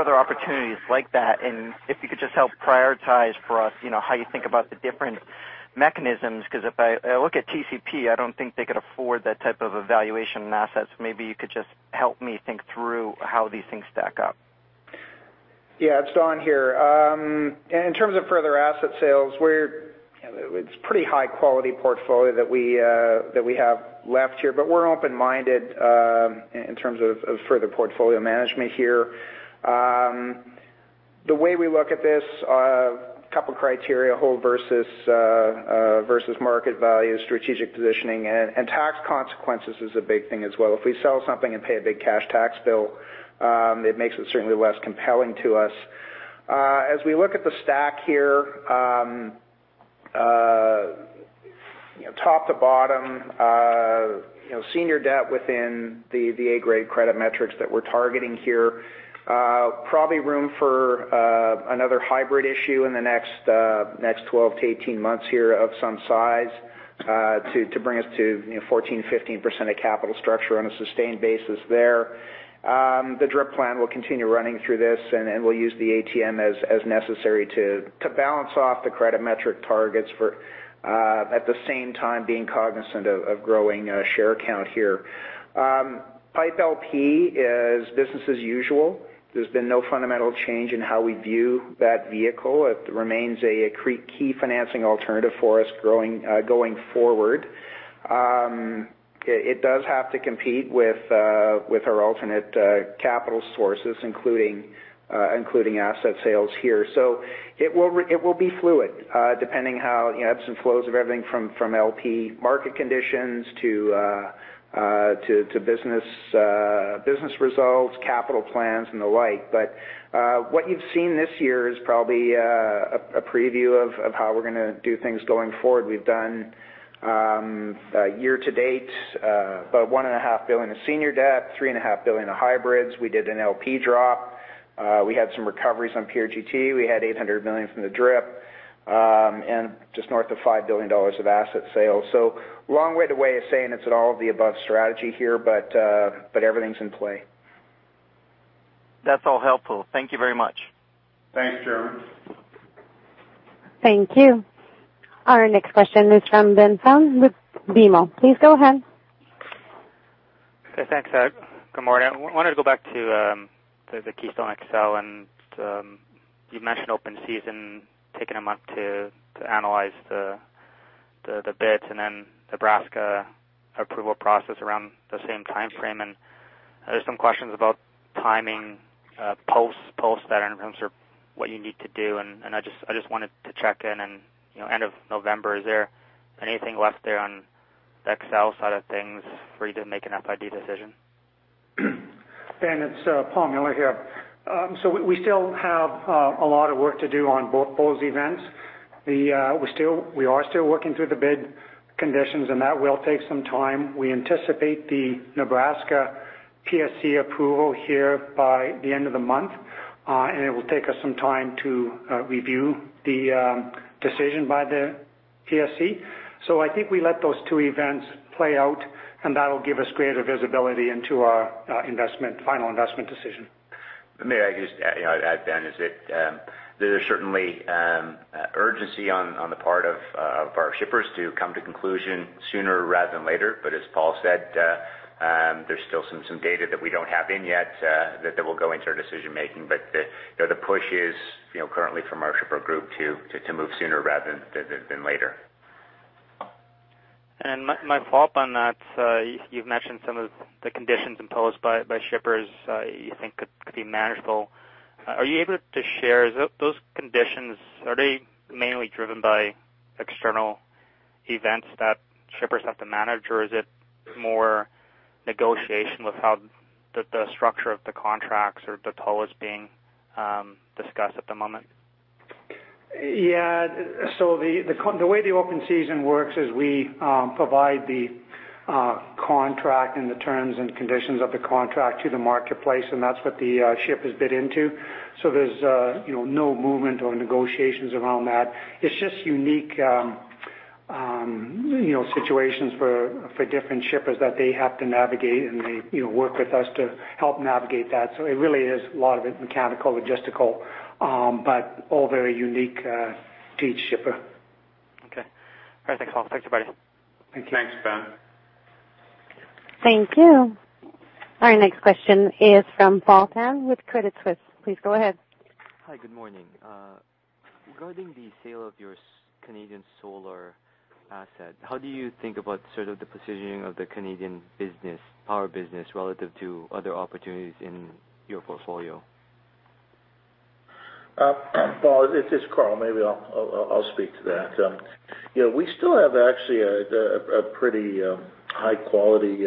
other opportunities like that, if you could just help prioritize for us, how you think about the different mechanisms. Because if I look at TCP, I don't think they could afford that type of a valuation assets. Maybe you could just help me think through how these things stack up. Yeah, it's Don here. In terms of further asset sales, it's pretty high-quality portfolio that we have left here, we're open-minded in terms of further portfolio management here. The way we look at this, a couple of criteria, hold versus market value, strategic positioning, and tax consequences is a big thing as well. If we sell something and pay a big cash tax bill, it makes it certainly less compelling to us. As we look at the stack here, top to bottom, senior debt within the A-grade credit metrics that we're targeting here, probably room for another hybrid issue in the next 12-18 months here of some size to bring us to 14%, 15% of capital structure on a sustained basis there. The DRIP plan will continue running through this. We'll use the ATM as necessary to balance off the credit metric targets for at the same time being cognizant of growing share count here. PIPE LP is business as usual. There's been no fundamental change in how we view that vehicle. It remains a key financing alternative for us going forward. It does have to compete with our alternate capital sources, including asset sales here. It will be fluid, depending how the ebbs and flows of everything from LP market conditions to business results, capital plans, and the like. What you've seen this year is probably a preview of how we're going to do things going forward. We've done year-to-date, about 1.5 billion of senior debt, 3.5 billion of hybrids. We did an LP drop. We had some recoveries on PRGT. We had 800 million from the DRIP, just north of 5 billion dollars of asset sales. Long way to way of saying it's an all-of-the-above strategy here, everything's in play. That's all helpful. Thank you very much. Thanks, Jeremy. Thank you. Our next question is from Ben Pham with BMO. Please go ahead. Okay, thanks. Good morning. I wanted to go back to the Keystone XL. You mentioned open season taking a month to analyze the bids. Nebraska approval process around the same timeframe. There's some questions about timing post that in terms of what you need to do. I just wanted to check in and end of November, is there anything left there on the XL side of things for you to make an FID decision? Ben, it's Paul Miller here. We still have a lot of work to do on both those events. We are still working through the bid conditions. That will take some time. We anticipate the Nebraska PSC approval here by the end of the month. It will take us some time to review the decision by the PSC. I think we let those two events play out, and that'll give us greater visibility into our final investment decision. May I just add, Ben, is that there's certainly urgency on the part of our shippers to come to conclusion sooner rather than later. As Paul said, there's still some data that we don't have in yet that will go into our decision-making. The push is currently from our shipper group to move sooner rather than later. My follow-up on that, you've mentioned some of the conditions imposed by shippers you think could be manageable. Are you able to share, those conditions, are they mainly driven by external events that shippers have to manage, or is it more negotiation with how the structure of the contracts or the toll is being discussed at the moment? Yeah. The way the open season works is we provide the contract and the terms and conditions of the contract to the marketplace, and that's what the shipper has bid into. There's no movement or negotiations around that. It's just unique situations for different shippers that they have to navigate, and they work with us to help navigate that. It really is, a lot of it, mechanical, logistical, but all very unique to each shipper. Okay. All right, thanks, Paul. Thanks, everybody. Thanks, Ben. Thank you. Our next question is from Ben Paul with Credit Suisse. Please go ahead. Hi, good morning. Regarding the sale of your Canadian solar asset, how do you think about sort of the positioning of the Canadian power business relative to other opportunities in your portfolio? Paul, it's Karl. Maybe I'll speak to that. We still have actually a pretty high-quality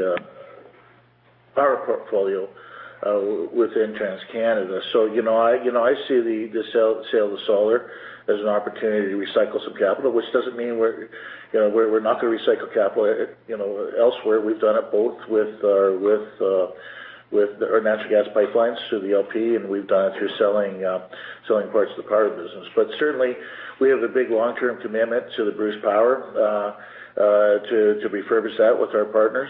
power portfolio within TransCanada. I see the sale of the solar as an opportunity to recycle some capital, which doesn't mean we're not going to recycle capital elsewhere. We've done it both with With our natural gas pipelines through the LP, and we've done it through selling parts of the power business. Certainly, we have a big long-term commitment to the Bruce Power, to refurbish that with our partners.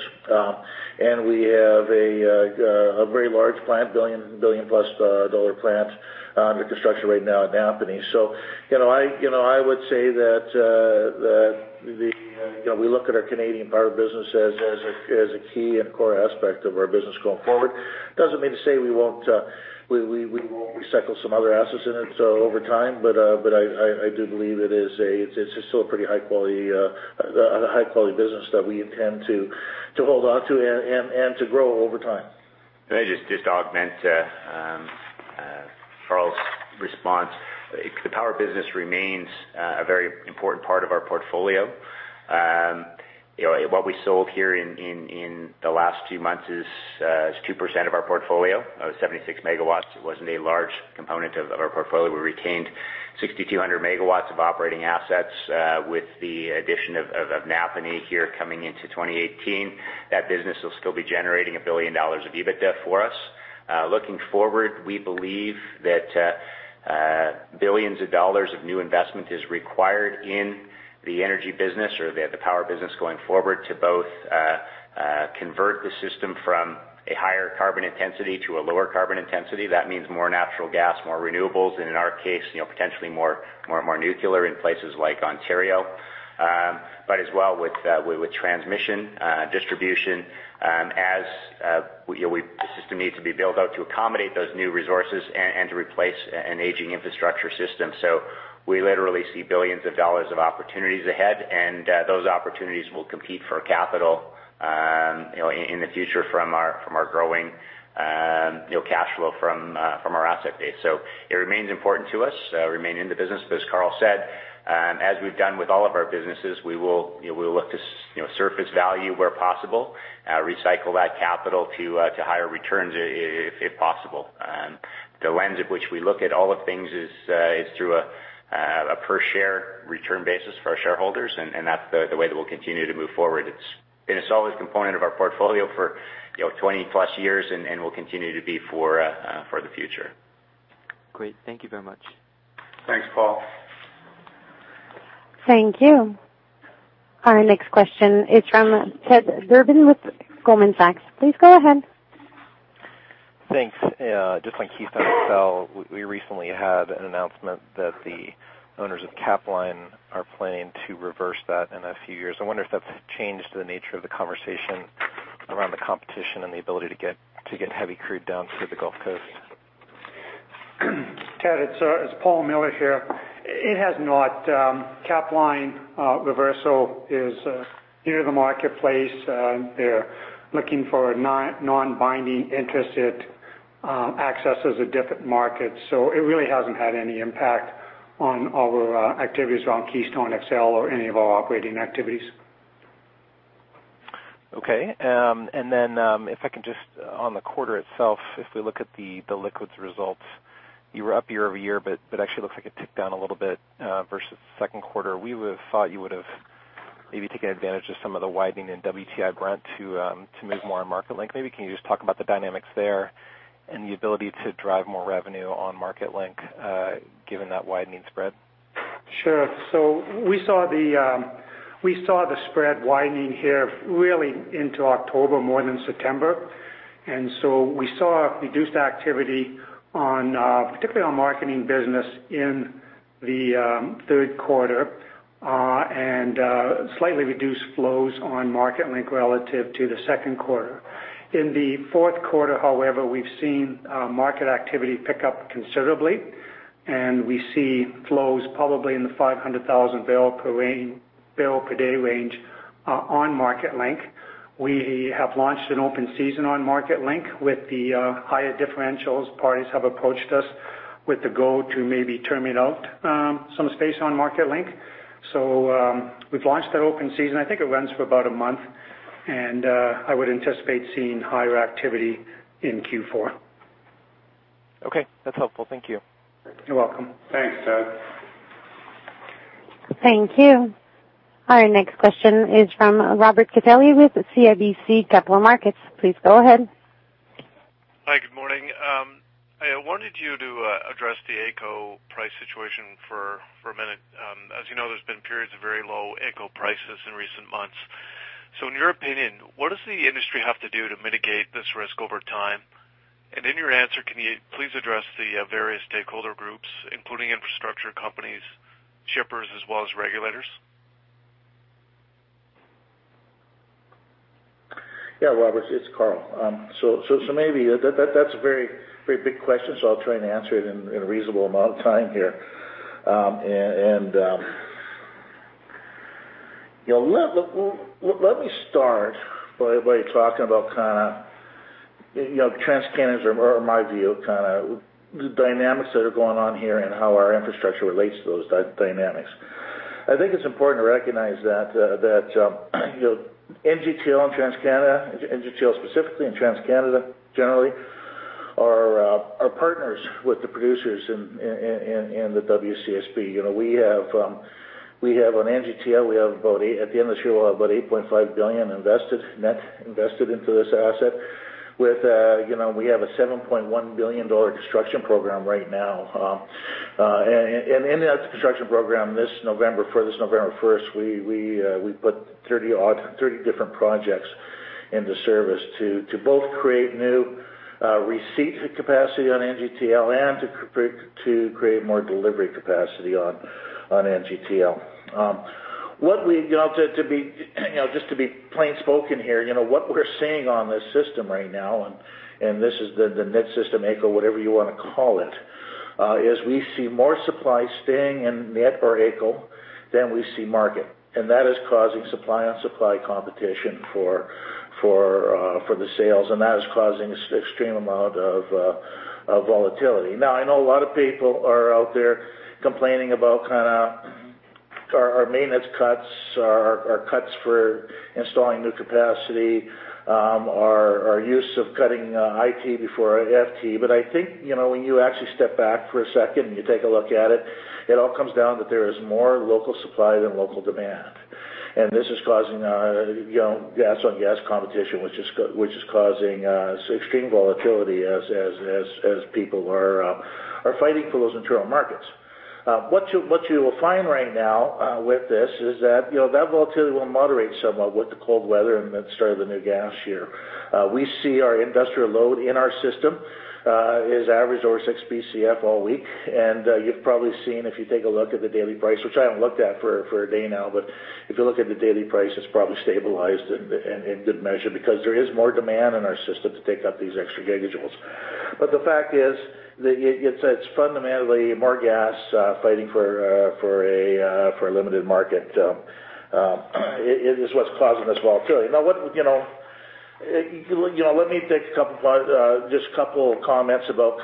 We have a very large plant, a 1 billion dollar-plus plant under construction right now at Napanee. I would say that we look at our Canadian power business as a key and core aspect of our business going forward. Doesn't mean to say we won't recycle some other assets in it over time, but I do believe it's still a pretty high-quality business that we intend to hold onto and to grow over time. Can I just augment Karl's response? The power business remains a very important part of our portfolio. What we sold here in the last 2 months is 2% of our portfolio, 76 megawatts. It wasn't a large component of our portfolio. We retained 6,200 megawatts of operating assets with the addition of Napanee here coming into 2018. That business will still be generating 1 billion dollars of EBITDA for us. Looking forward, we believe that billions of CAD of new investment is required in the energy business or the power business going forward to both convert the system from a higher carbon intensity to a lower carbon intensity. That means more natural gas, more renewables, and in our case, potentially more nuclear in places like Ontario. As well with transmission, distribution as the system needs to be built out to accommodate those new resources and to replace an aging infrastructure system. We literally see billions of CAD of opportunities ahead, and those opportunities will compete for capital in the future from our growing cash flow from our asset base. It remains important to us, remain in the business, but as Karl said, as we've done with all of our businesses, we will look to surface value where possible, recycle that capital to higher returns if possible. The lens at which we look at all of things is through a per-share return basis for our shareholders, and that's the way that we'll continue to move forward. It's been a solid component of our portfolio for 20-plus years and will continue to be for the future. Great. Thank you very much. Thanks, Paul. Thank you. Our next question is from Ted Durbin with Goldman Sachs. Please go ahead. Thanks. Just on Keystone XL, we recently had an announcement that the owners of Capline are planning to reverse that in a few years. I wonder if that's changed the nature of the conversation around the competition and the ability to get heavy crude down through the Gulf Coast. Ted, it's Paul Miller here. It has not. Capline reversal is near the marketplace. They're looking for non-binding interested accesses at different markets. It really hasn't had any impact on our activities around Keystone XL or any of our operating activities. Okay. If I can just, on the quarter itself, if we look at the liquids results, you were up year-over-year, but it actually looks like it ticked down a little bit versus second quarter. We would've thought you would've taken advantage of some of the widening in WTI-Brent to move more on Marketlink. Can you just talk about the dynamics there and the ability to drive more revenue on Marketlink given that widening spread? We saw the spread widening here really into October more than September. We saw reduced activity particularly on marketing business in the third quarter, and slightly reduced flows on Marketlink relative to the second quarter. In the fourth quarter, however, we've seen market activity pick up considerably, and we see flows probably in the 500,000-barrel-per-day range on Marketlink. We have launched an open season on Marketlink with the higher differentials. Parties have approached us with the goal to maybe terming out some space on Marketlink. We've launched that open season. I think it runs for about a month. I would anticipate seeing higher activity in Q4. Okay. That's helpful. Thank you. You're welcome. Thanks, Ted. Thank you. Our next question is from Robert Catellier with CIBC Capital Markets. Please go ahead. Hi, good morning. I wanted you to address the AECO price situation for a minute. As you know, there's been periods of very low AECO prices in recent months. In your opinion, what does the industry have to do to mitigate this risk over time? In your answer, can you please address the various stakeholder groups, including infrastructure companies, shippers, as well as regulators? Yeah, Robert, it's Karl. That's a very big question, I'll try and answer it in a reasonable amount of time here. Let me start by talking about TransCanada's, or my view, the dynamics that are going on here and how our infrastructure relates to those dynamics. I think it's important to recognize that NGTL and TransCanada, NGTL specifically and TransCanada generally, are partners with the producers and the WCSB. On NGTL, at the end of this year, we'll have about 8.5 billion net invested into this asset. We have a 7.1 billion dollar construction program right now. In that construction program for this November 1st, we put 30 different projects into service to both create new receipt capacity on NGTL, and to create more delivery capacity on NGTL. Just to be plain spoken here, what we're seeing on this system right now, this is the net system, AECO, whatever you want to call it, is we see more supply staying in net or AECO than we see market. That is causing supply on supply competition for the sales, that is causing extreme amount of volatility. Now, I know a lot of people are out there complaining about our maintenance cuts, our cuts for installing new capacity, our use of cutting IT before FT. I think, when you actually step back for a second and you take a look at it all comes down that there is more local supply than local demand. This is causing gas on gas competition, which is causing extreme volatility as people are fighting for those internal markets. What you will find right now with this is that volatility will moderate somewhat with the cold weather and the start of the new gas year. We see our industrial load in our system is average over 6 Bcf all week. You've probably seen, if you take a look at the daily price, which I haven't looked at for a day now, but if you look at the daily price, it's probably stabilized in good measure because there is more demand in our system to take up these extra gigajoules. The fact is that it's fundamentally more gas fighting for a limited market, is what's causing this volatility. Let me take just a couple of comments about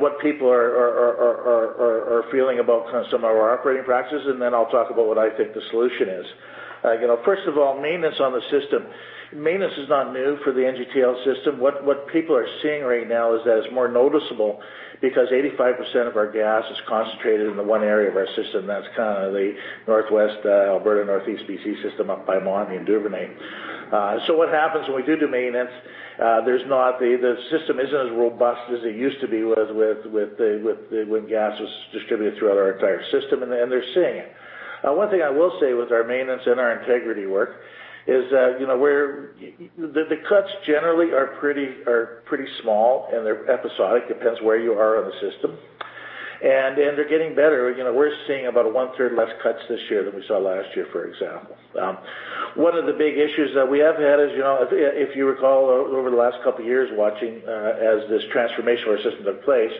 what people are feeling about some of our operating practices, and then I'll talk about what I think the solution is. First of all, maintenance on the system. Maintenance is not new for the NGTL system. What people are seeing right now is that it's more noticeable because 85% of our gas is concentrated in the one area of our system, that's the Northwest Alberta, Northeast B.C. system up by Montney and Duvernay. What happens when we do maintenance, the system isn't as robust as it used to be when gas was distributed throughout our entire system, and they're seeing it. One thing I will say with our maintenance and our integrity work is that the cuts generally are pretty small, and they're episodic, depends where you are in the system. They're getting better. We're seeing about one-third less cuts this year than we saw last year, for example. One of the big issues that we have had is, if you recall over the last couple of years, watching as this transformation of our system took place,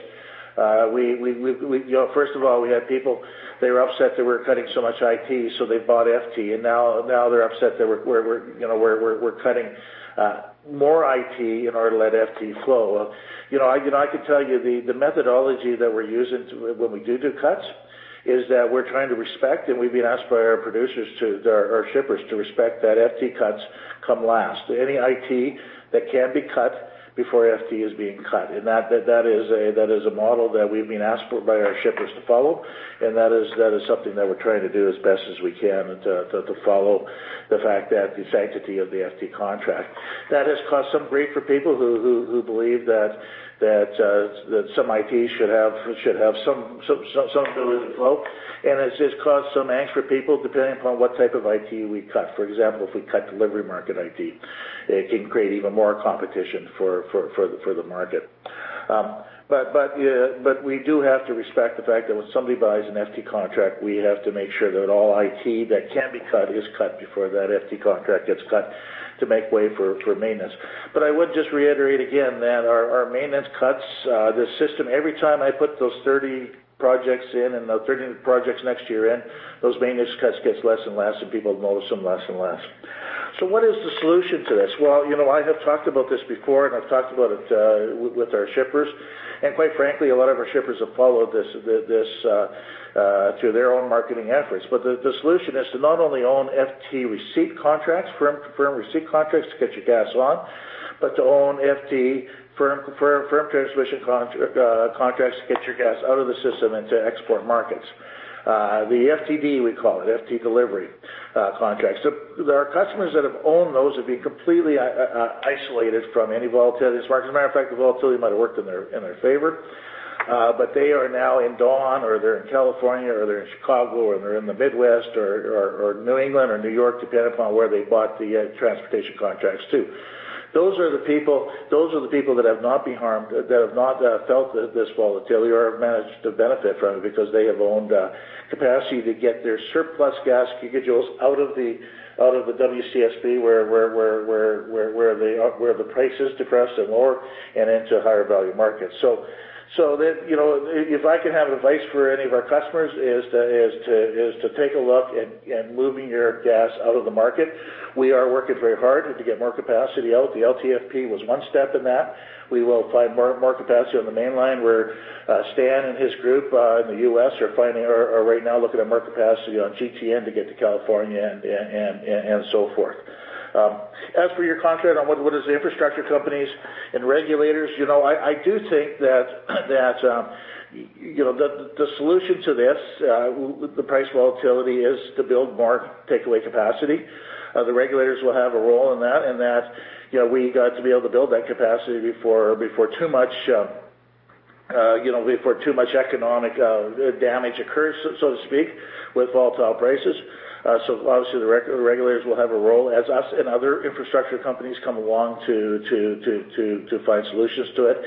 first of all, they were upset that we were cutting so much IT, they bought FT. Now they're upset that we're cutting more IT in order to let FT flow. I can tell you the methodology that we're using when we do cuts is that we're trying to respect, and we've been asked by our shippers to respect that FT cuts come last. Any IT that can be cut before FT is being cut. That is a model that we've been asked for by our shippers to follow, and that is something that we're trying to do as best as we can, to follow the fact that the sanctity of the FT contract. That has caused some grief for people who believe that some IT should have some ability to flow, and it's just caused some angst for people, depending upon what type of IT we cut. For example, if we cut delivery market IT, it can create even more competition for the market. We do have to respect the fact that when somebody buys an FT contract, we have to make sure that all IT that can be cut is cut before that FT contract gets cut to make way for maintenance. I would just reiterate again that our maintenance cuts, this system, every time I put those 30 projects in and the 30 projects next year in, those maintenance cuts gets less and less, and people notice them less and less. What is the solution to this? Well, I have talked about this before, I've talked about it with our shippers. Quite frankly, a lot of our shippers have followed this through their own marketing efforts. The solution is to not only own FT receipt contracts, firm receipt contracts to get your gas on, but to own firm transmission contracts to get your gas out of the system into export markets. The FTD, we call it, FT delivery contracts. There are customers that have owned those who've been completely isolated from any volatility in this market. As a matter of fact, the volatility might have worked in their favor. They are now in Dawn, or they're in California, or they're in Chicago, or they're in the Midwest, or New England or New York, depending upon where they bought the transportation contracts too. Those are the people that have not been harmed, that have not felt this volatility or have managed to benefit from it because they have owned capacity to get their surplus gas gigajoules out of the WCSB, where the price is depressed and lower, and into higher value markets. If I can have advice for any of our customers, is to take a look at moving your gas out of the market. We are working very hard to get more capacity out. The LTFP was one step in that. We will find more capacity on the Mainline where Stan and his group in the U.S. are right now looking at more capacity on GTN to get to California, and so forth. As for your contract on what is the infrastructure companies and regulators, I do think that the solution to this, the price volatility, is to build more takeaway capacity. The regulators will have a role in that, in that we got to be able to build that capacity before too much economic damage occurs, so to speak, with volatile prices. Obviously the regulators will have a role, as us and other infrastructure companies come along to find solutions to it.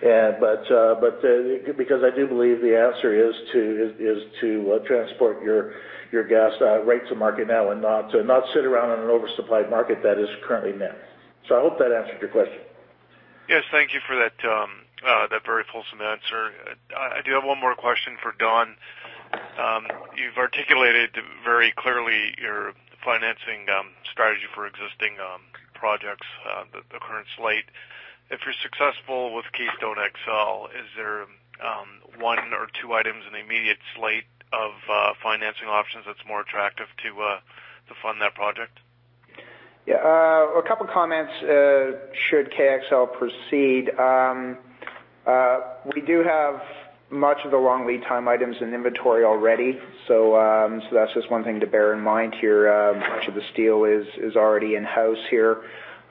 I do believe the answer is to transport your gas right to market now, and not sit around in an oversupplied market that is currently met. I hope that answered your question. Yes. Thank you for that very fulsome answer. I do have one more question for Don. You've articulated very clearly your financing strategy for existing projects, the current slate. If you're successful with Keystone XL, is there one or two items in the immediate slate of financing options that's more attractive to fund that project? Yeah. A couple comments should KXL proceed. We do have much of the long lead time items in inventory already. That's just one thing to bear in mind here. Much of the steel is already in-house here.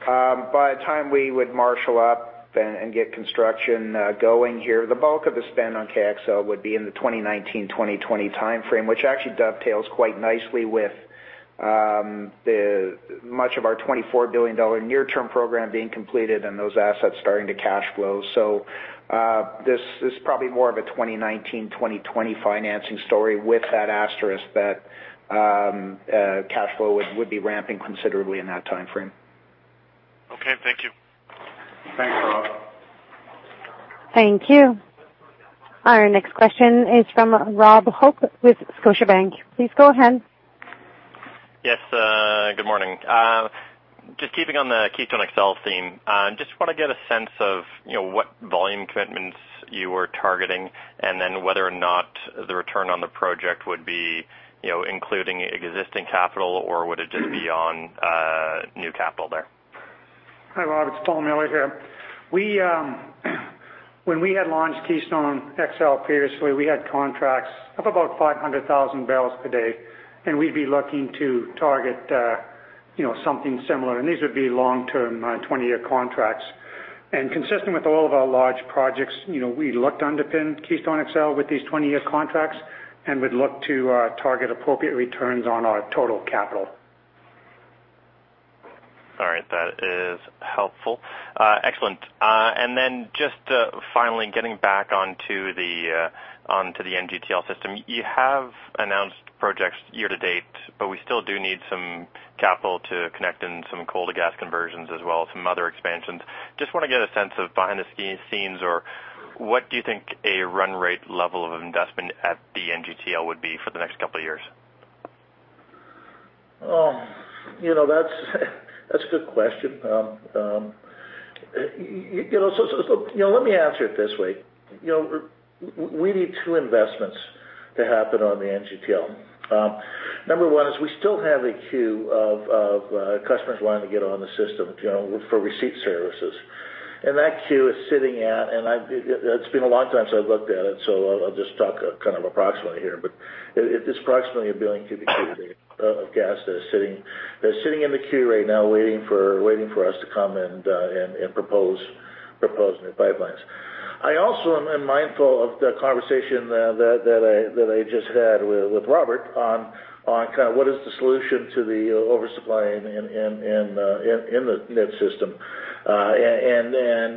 By the time we would marshal up and get construction going here, the bulk of the spend on KXL would be in the 2019, 2020 timeframe, which actually dovetails quite nicely with much of our 24 billion dollar near-term program being completed and those assets starting to cash flow. This is probably more of a 2019, 2020 financing story with that asterisk that cash flow would be ramping considerably in that timeframe. Okay. Thank you. Thanks, Rob. Thank you. Our next question is from Robert Hope with Scotiabank. Please go ahead. Yes. Good morning. Keeping on the Keystone XL theme, want to get a sense of what volume commitments you were targeting, whether or not the return on the project would be including existing capital, or would it just be on new capital there? Hi, Rob, it's Paul Miller here. When we had launched Keystone XL previously, we had contracts of about 500,000 barrels per day, we'd be looking to target something similar. These would be long-term, 20-year contracts. Consistent with all of our large projects, we looked to underpin Keystone XL with these 20-year contracts, would look to target appropriate returns on our total capital. All right. That is helpful. Excellent. Finally getting back onto the NGTL system. You have announced projects year to date, we still do need some capital to connect in some coal to gas conversions as well as some other expansions. Want to get a sense of behind the scenes, or what do you think a run rate level of investment at the NGTL would be for the next couple of years? That's a good question. Let me answer it this way. We need two investments to happen on the NGTL. Number one is we still have a queue of customers wanting to get on the system for receipt services. That queue is sitting at, it's been a long time since I've looked at it, I'll just talk approximately here, it's approximately a billion cubic feet a day of gas that is sitting in the queue right now waiting for us to come and propose new pipelines. I also am mindful of the conversation that I just had with Robert on what is the solution to the oversupply in the NGTL system.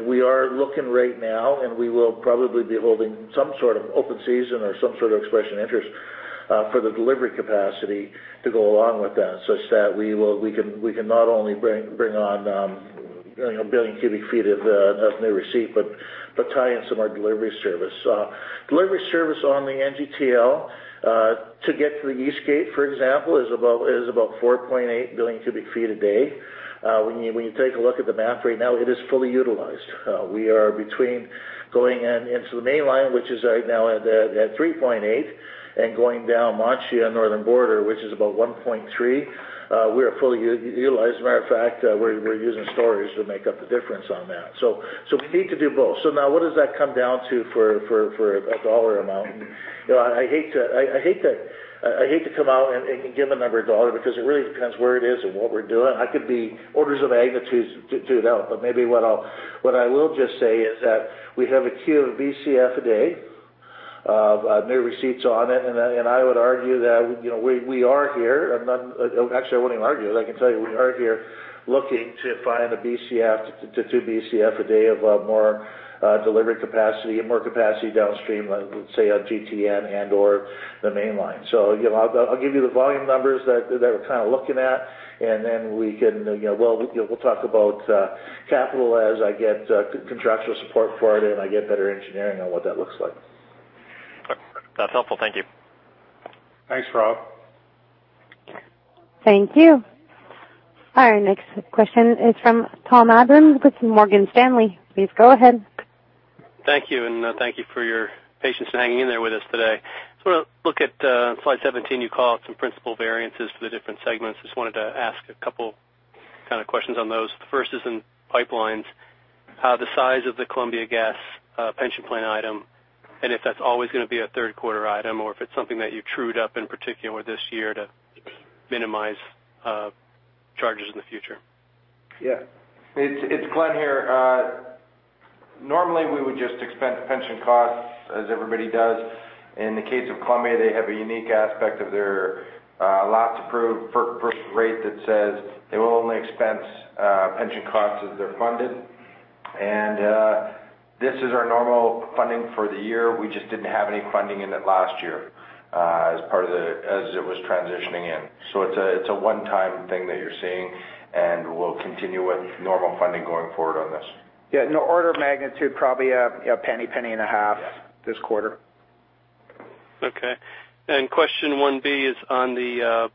We are looking right now, and we will probably be holding some sort of open season or some sort of expression interest for the delivery capacity to go along with that, such that we can not only bring on a billion cubic feet of new receipt, but tie in some of our delivery service. Delivery service on the NGTL, to get to the East Gate, for example, is about 4.8 billion cubic feet a day. When you take a look at the map right now, it is fully utilized. We are between going into the Mainline, which is right now at 3.8 billion cubic feet, and going down Monchy Northern Border, which is about 1.3 billion cubic feet. We are fully utilized. Matter of fact, we're using storage to make up the difference on that. Now what does that come down to for a CAD dollar amount? I hate to come out and give a number of CAD dollars because it really depends where it is and what we're doing. I could be orders of magnitude to that. Maybe what I will just say is that we have a queue of Bcf a day of new receipts on it, and I would argue that we are here Actually, I wouldn't even argue it. I can tell you, we are here looking to find 1 Bcf to 2 Bcf a day of more delivery capacity and more capacity downstream, let's say on GTN and/or the Mainline. I'll give you the volume numbers that we're looking at, and then we'll talk about capital as I get contractual support for it and I get better engineering on what that looks like. That's helpful. Thank you. Thanks, Rob. Thank you. Our next question is from Tom Adams with Morgan Stanley. Please go ahead. Thank you, thank you for your patience in hanging in there with us today. Just want to look at slide 17. You call out some principal variances for the different segments. Just wanted to ask a couple Kind of questions on those. The first is in pipelines. The size of the Columbia Gas pension plan item, and if that's always going to be a third-quarter item or if it's something that you trued up in particular this year to minimize charges in the future. Yeah. It's Glenn here. Normally we would just expense pension costs, as everybody does. In the case of Columbia, they have a unique aspect of their lots approved FERC rate that says they will only expense pension costs if they're funded. This is our normal funding for the year. We just didn't have any funding in it last year as it was transitioning in. It's a one-time thing that you're seeing, and we'll continue with normal funding going forward on this. Yeah, in order of magnitude, probably CAD 0.01, CAD 0.015 this quarter. Question 1B is on the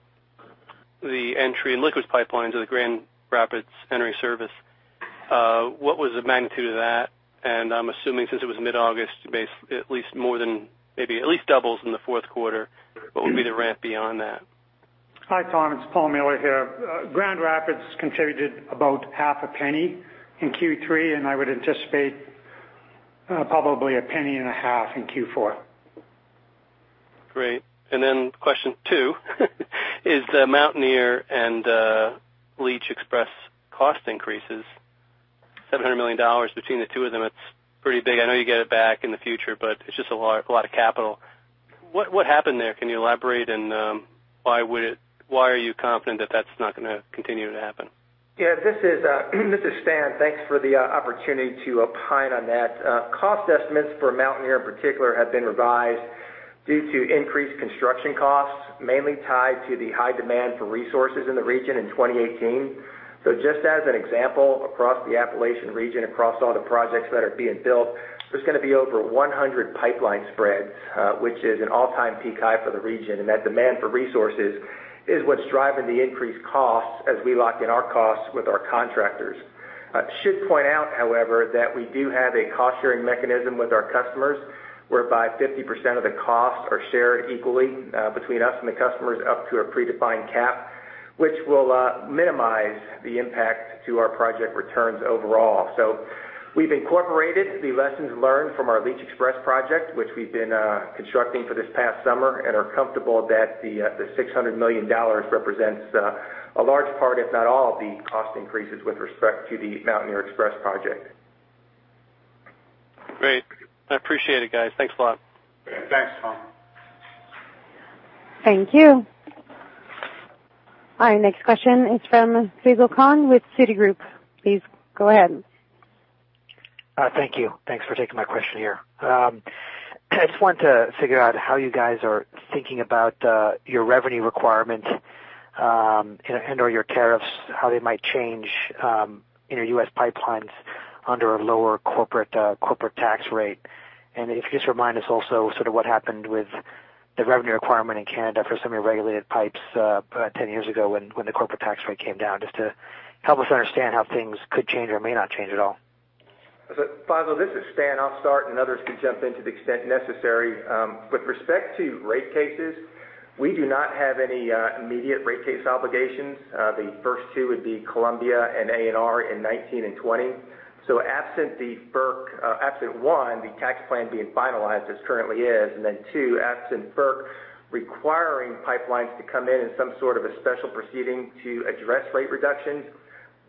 entry and Liquids Pipelines or the Grand Rapids entry service. What was the magnitude of that? I'm assuming since it was mid-August, maybe at least doubles in the fourth quarter. What would be the ramp beyond that? Hi, Tom, it's Paul Miller here. Grand Rapids contributed about half a penny in Q3. I would anticipate probably a penny and a half in Q4. Great. Question 2 is the Mountaineer XPress and Leach XPress cost increases. 700 million dollars between the two of them, it's pretty big. I know you get it back in the future, it's just a lot of capital. What happened there? Can you elaborate? Why are you confident that that's not going to continue to happen? This is Stan. Thanks for the opportunity to opine on that. Cost estimates for Mountaineer XPress in particular have been revised due to increased construction costs, mainly tied to the high demand for resources in the region in 2018. Just as an example, across the Appalachian region, across all the projects that are being built, there's going to be over 100 pipeline spreads, which is an all-time peak high for the region. That demand for resources is what's driving the increased costs as we lock in our costs with our contractors. I should point out, however, that we do have a cost-sharing mechanism with our customers, whereby 50% of the costs are shared equally between us and the customers up to a predefined cap, which will minimize the impact to our project returns overall. We've incorporated the lessons learned from our Leach XPress project, which we've been constructing for this past summer and are comfortable that the 600 million dollars represents a large part, if not all, of the cost increases with respect to the Mountaineer XPress project. Great. I appreciate it, guys. Thanks a lot. Thanks, Tom. Thank you. Our next question is from Faisel Khan with Citigroup. Please go ahead. Thank you. Thanks for taking my question here. I just wanted to figure out how you guys are thinking about your revenue requirements and/or your tariffs, how they might change in your U.S. pipelines under a lower corporate tax rate. If you could just remind us also what happened with the revenue requirement in Canada for some of your regulated pipes 10 years ago when the corporate tax rate came down, just to help us understand how things could change or may not change at all. Faisel, this is Stan. I'll start, and others can jump in to the extent necessary. With respect to rate cases, we do not have any immediate rate case obligations. The first two would be Columbia and ANR in 2019 and 2020. Absent one, the tax plan being finalized as currently is, and then two, absent FERC requiring pipelines to come in some sort of a special proceeding to address rate reductions.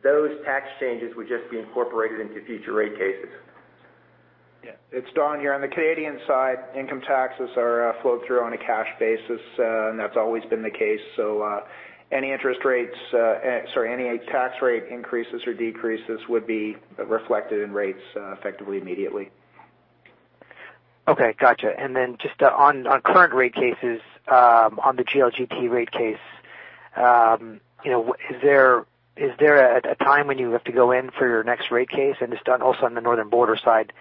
Those tax changes would just be incorporated into future rate cases. Yeah, it's Don here. On the Canadian side, income taxes are flowed through on a cash basis, and that's always been the case. Any tax rate increases or decreases would be reflected in rates effectively immediately. Okay, got you. Then just on current rate cases, on the GLGT rate case, is there a time when you have to go in for your next rate case? Just, Don, also on the Northern Border side,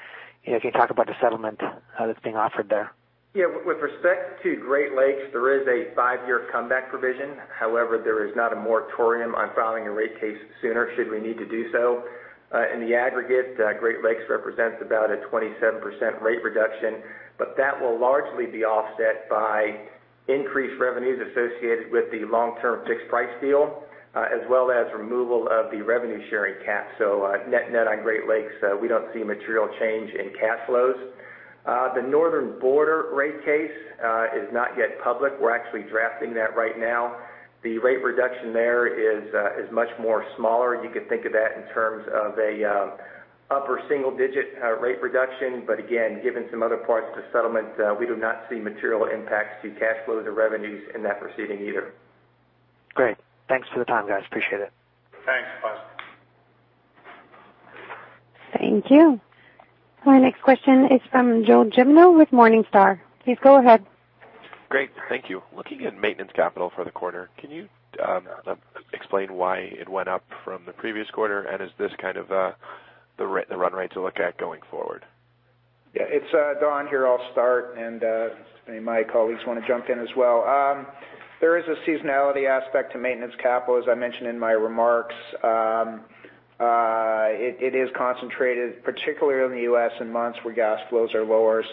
can you talk about the settlement that's being offered there? With respect to Great Lakes, there is a five-year comeback provision. There is not a moratorium on filing a rate case sooner should we need to do so. In the aggregate, Great Lakes represents about a 27% rate reduction, that will largely be offset by increased revenues associated with the Long-Term Fixed-Price deal, as well as removal of the revenue-sharing cap. Net on Great Lakes, we don't see material change in cash flows. The Northern Border rate case is not yet public. We're actually drafting that right now. The rate reduction there is much more smaller. You could think of that in terms of an upper single-digit rate reduction. Again, given some other parts of the settlement, we do not see material impacts to cash flows or revenues in that proceeding either. Great. Thanks for the time, guys. Appreciate it. Thanks, Faisel. Thank you. Our next question is from Joe Gemino with Morningstar. Please go ahead. Great. Thank you. Looking at maintenance capital for the quarter, can you explain why it went up from the previous quarter? Is this kind of the run rate to look at going forward? Yeah, it's Don here. I'll start, and if any of my colleagues want to jump in as well. There is a seasonality aspect to maintenance capital, as I mentioned in my remarks. It is concentrated, particularly in the U.S. in months where gas flows are lower.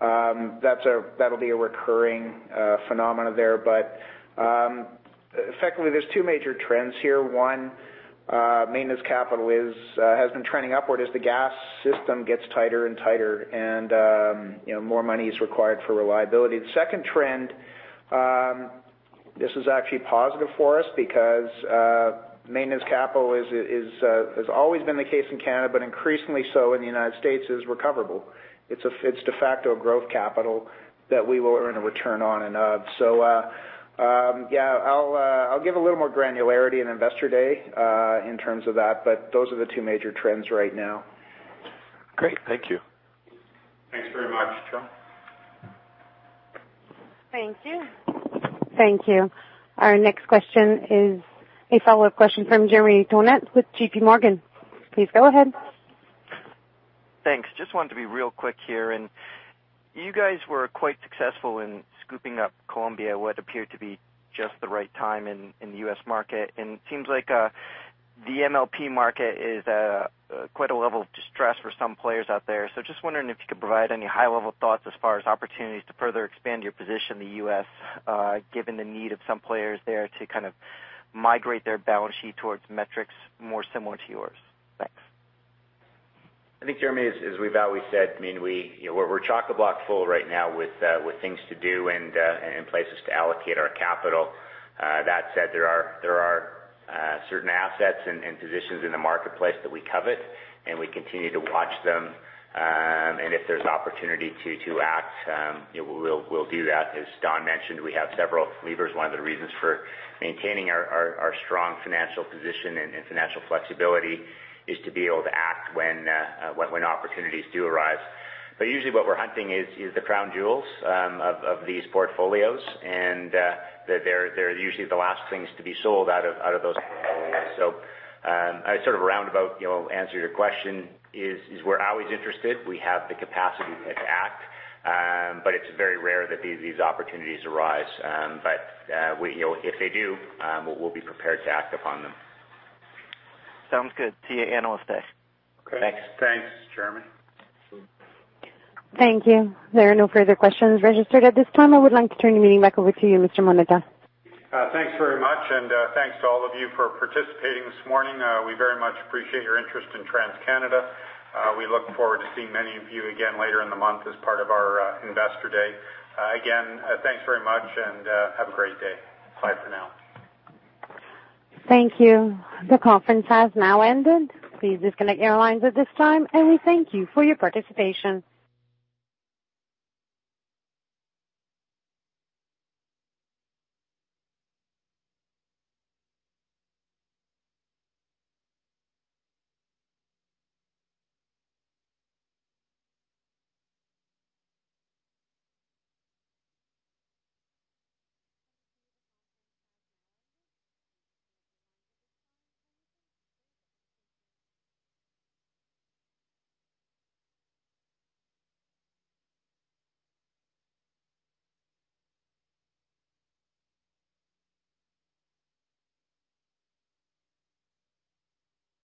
That'll be a recurring phenomena there. Effectively, there's two major trends here. One, maintenance capital has been trending upward as the gas system gets tighter and tighter and more money is required for reliability. The second trend, this is actually positive for us because maintenance capital has always been the case in Canada, but increasingly so in the United States, is recoverable. It's de facto growth capital that we will earn a return on and of. Yeah, I'll give a little more granularity in Investor Day in terms of that, but those are the two major trends right now. Great. Thank you. Thanks very much, Joe. Thank you. Our next question is a follow-up question from Jeremy Tonet with J.P. Morgan. Please go ahead. Thanks. Just wanted to be real quick here. You guys were quite successful in scooping up Columbia at what appeared to be just the right time in the U.S. market. It seems like the MLP market is at quite a level of distress for some players out there. Just wondering if you could provide any high-level thoughts as far as opportunities to further expand your position in the U.S., given the need of some players there to migrate their balance sheet towards metrics more similar to yours. Thanks. I think, Jeremy, as we've always said, we're chock-a-block full right now with things to do and places to allocate our capital. That said, there are certain assets and positions in the marketplace that we covet, and we continue to watch them. If there's opportunity to act, we'll do that. As Don mentioned, we have several levers. One of the reasons for maintaining our strong financial position and financial flexibility is to be able to act when opportunities do arise. Usually what we're hunting is the crown jewels of these portfolios, and they're usually the last things to be sold out of those portfolios. Sort of a roundabout answer to your question is we're always interested, we have the capacity to act, but it's very rare that these opportunities arise. If they do, we'll be prepared to act upon them. Sounds good. See you at Analyst Day. Thanks. Thanks, Jeremy. Thank you. There are no further questions registered at this time. I would like to turn the meeting back over to you, Mr. Moneta. Thanks very much, and thanks to all of you for participating this morning. We very much appreciate your interest in TransCanada. We look forward to seeing many of you again later in the month as part of our Investor Day. Again, thanks very much and have a great day. Bye for now. Thank you. The conference has now ended. Please disconnect your lines at this time, and we thank you for your participation.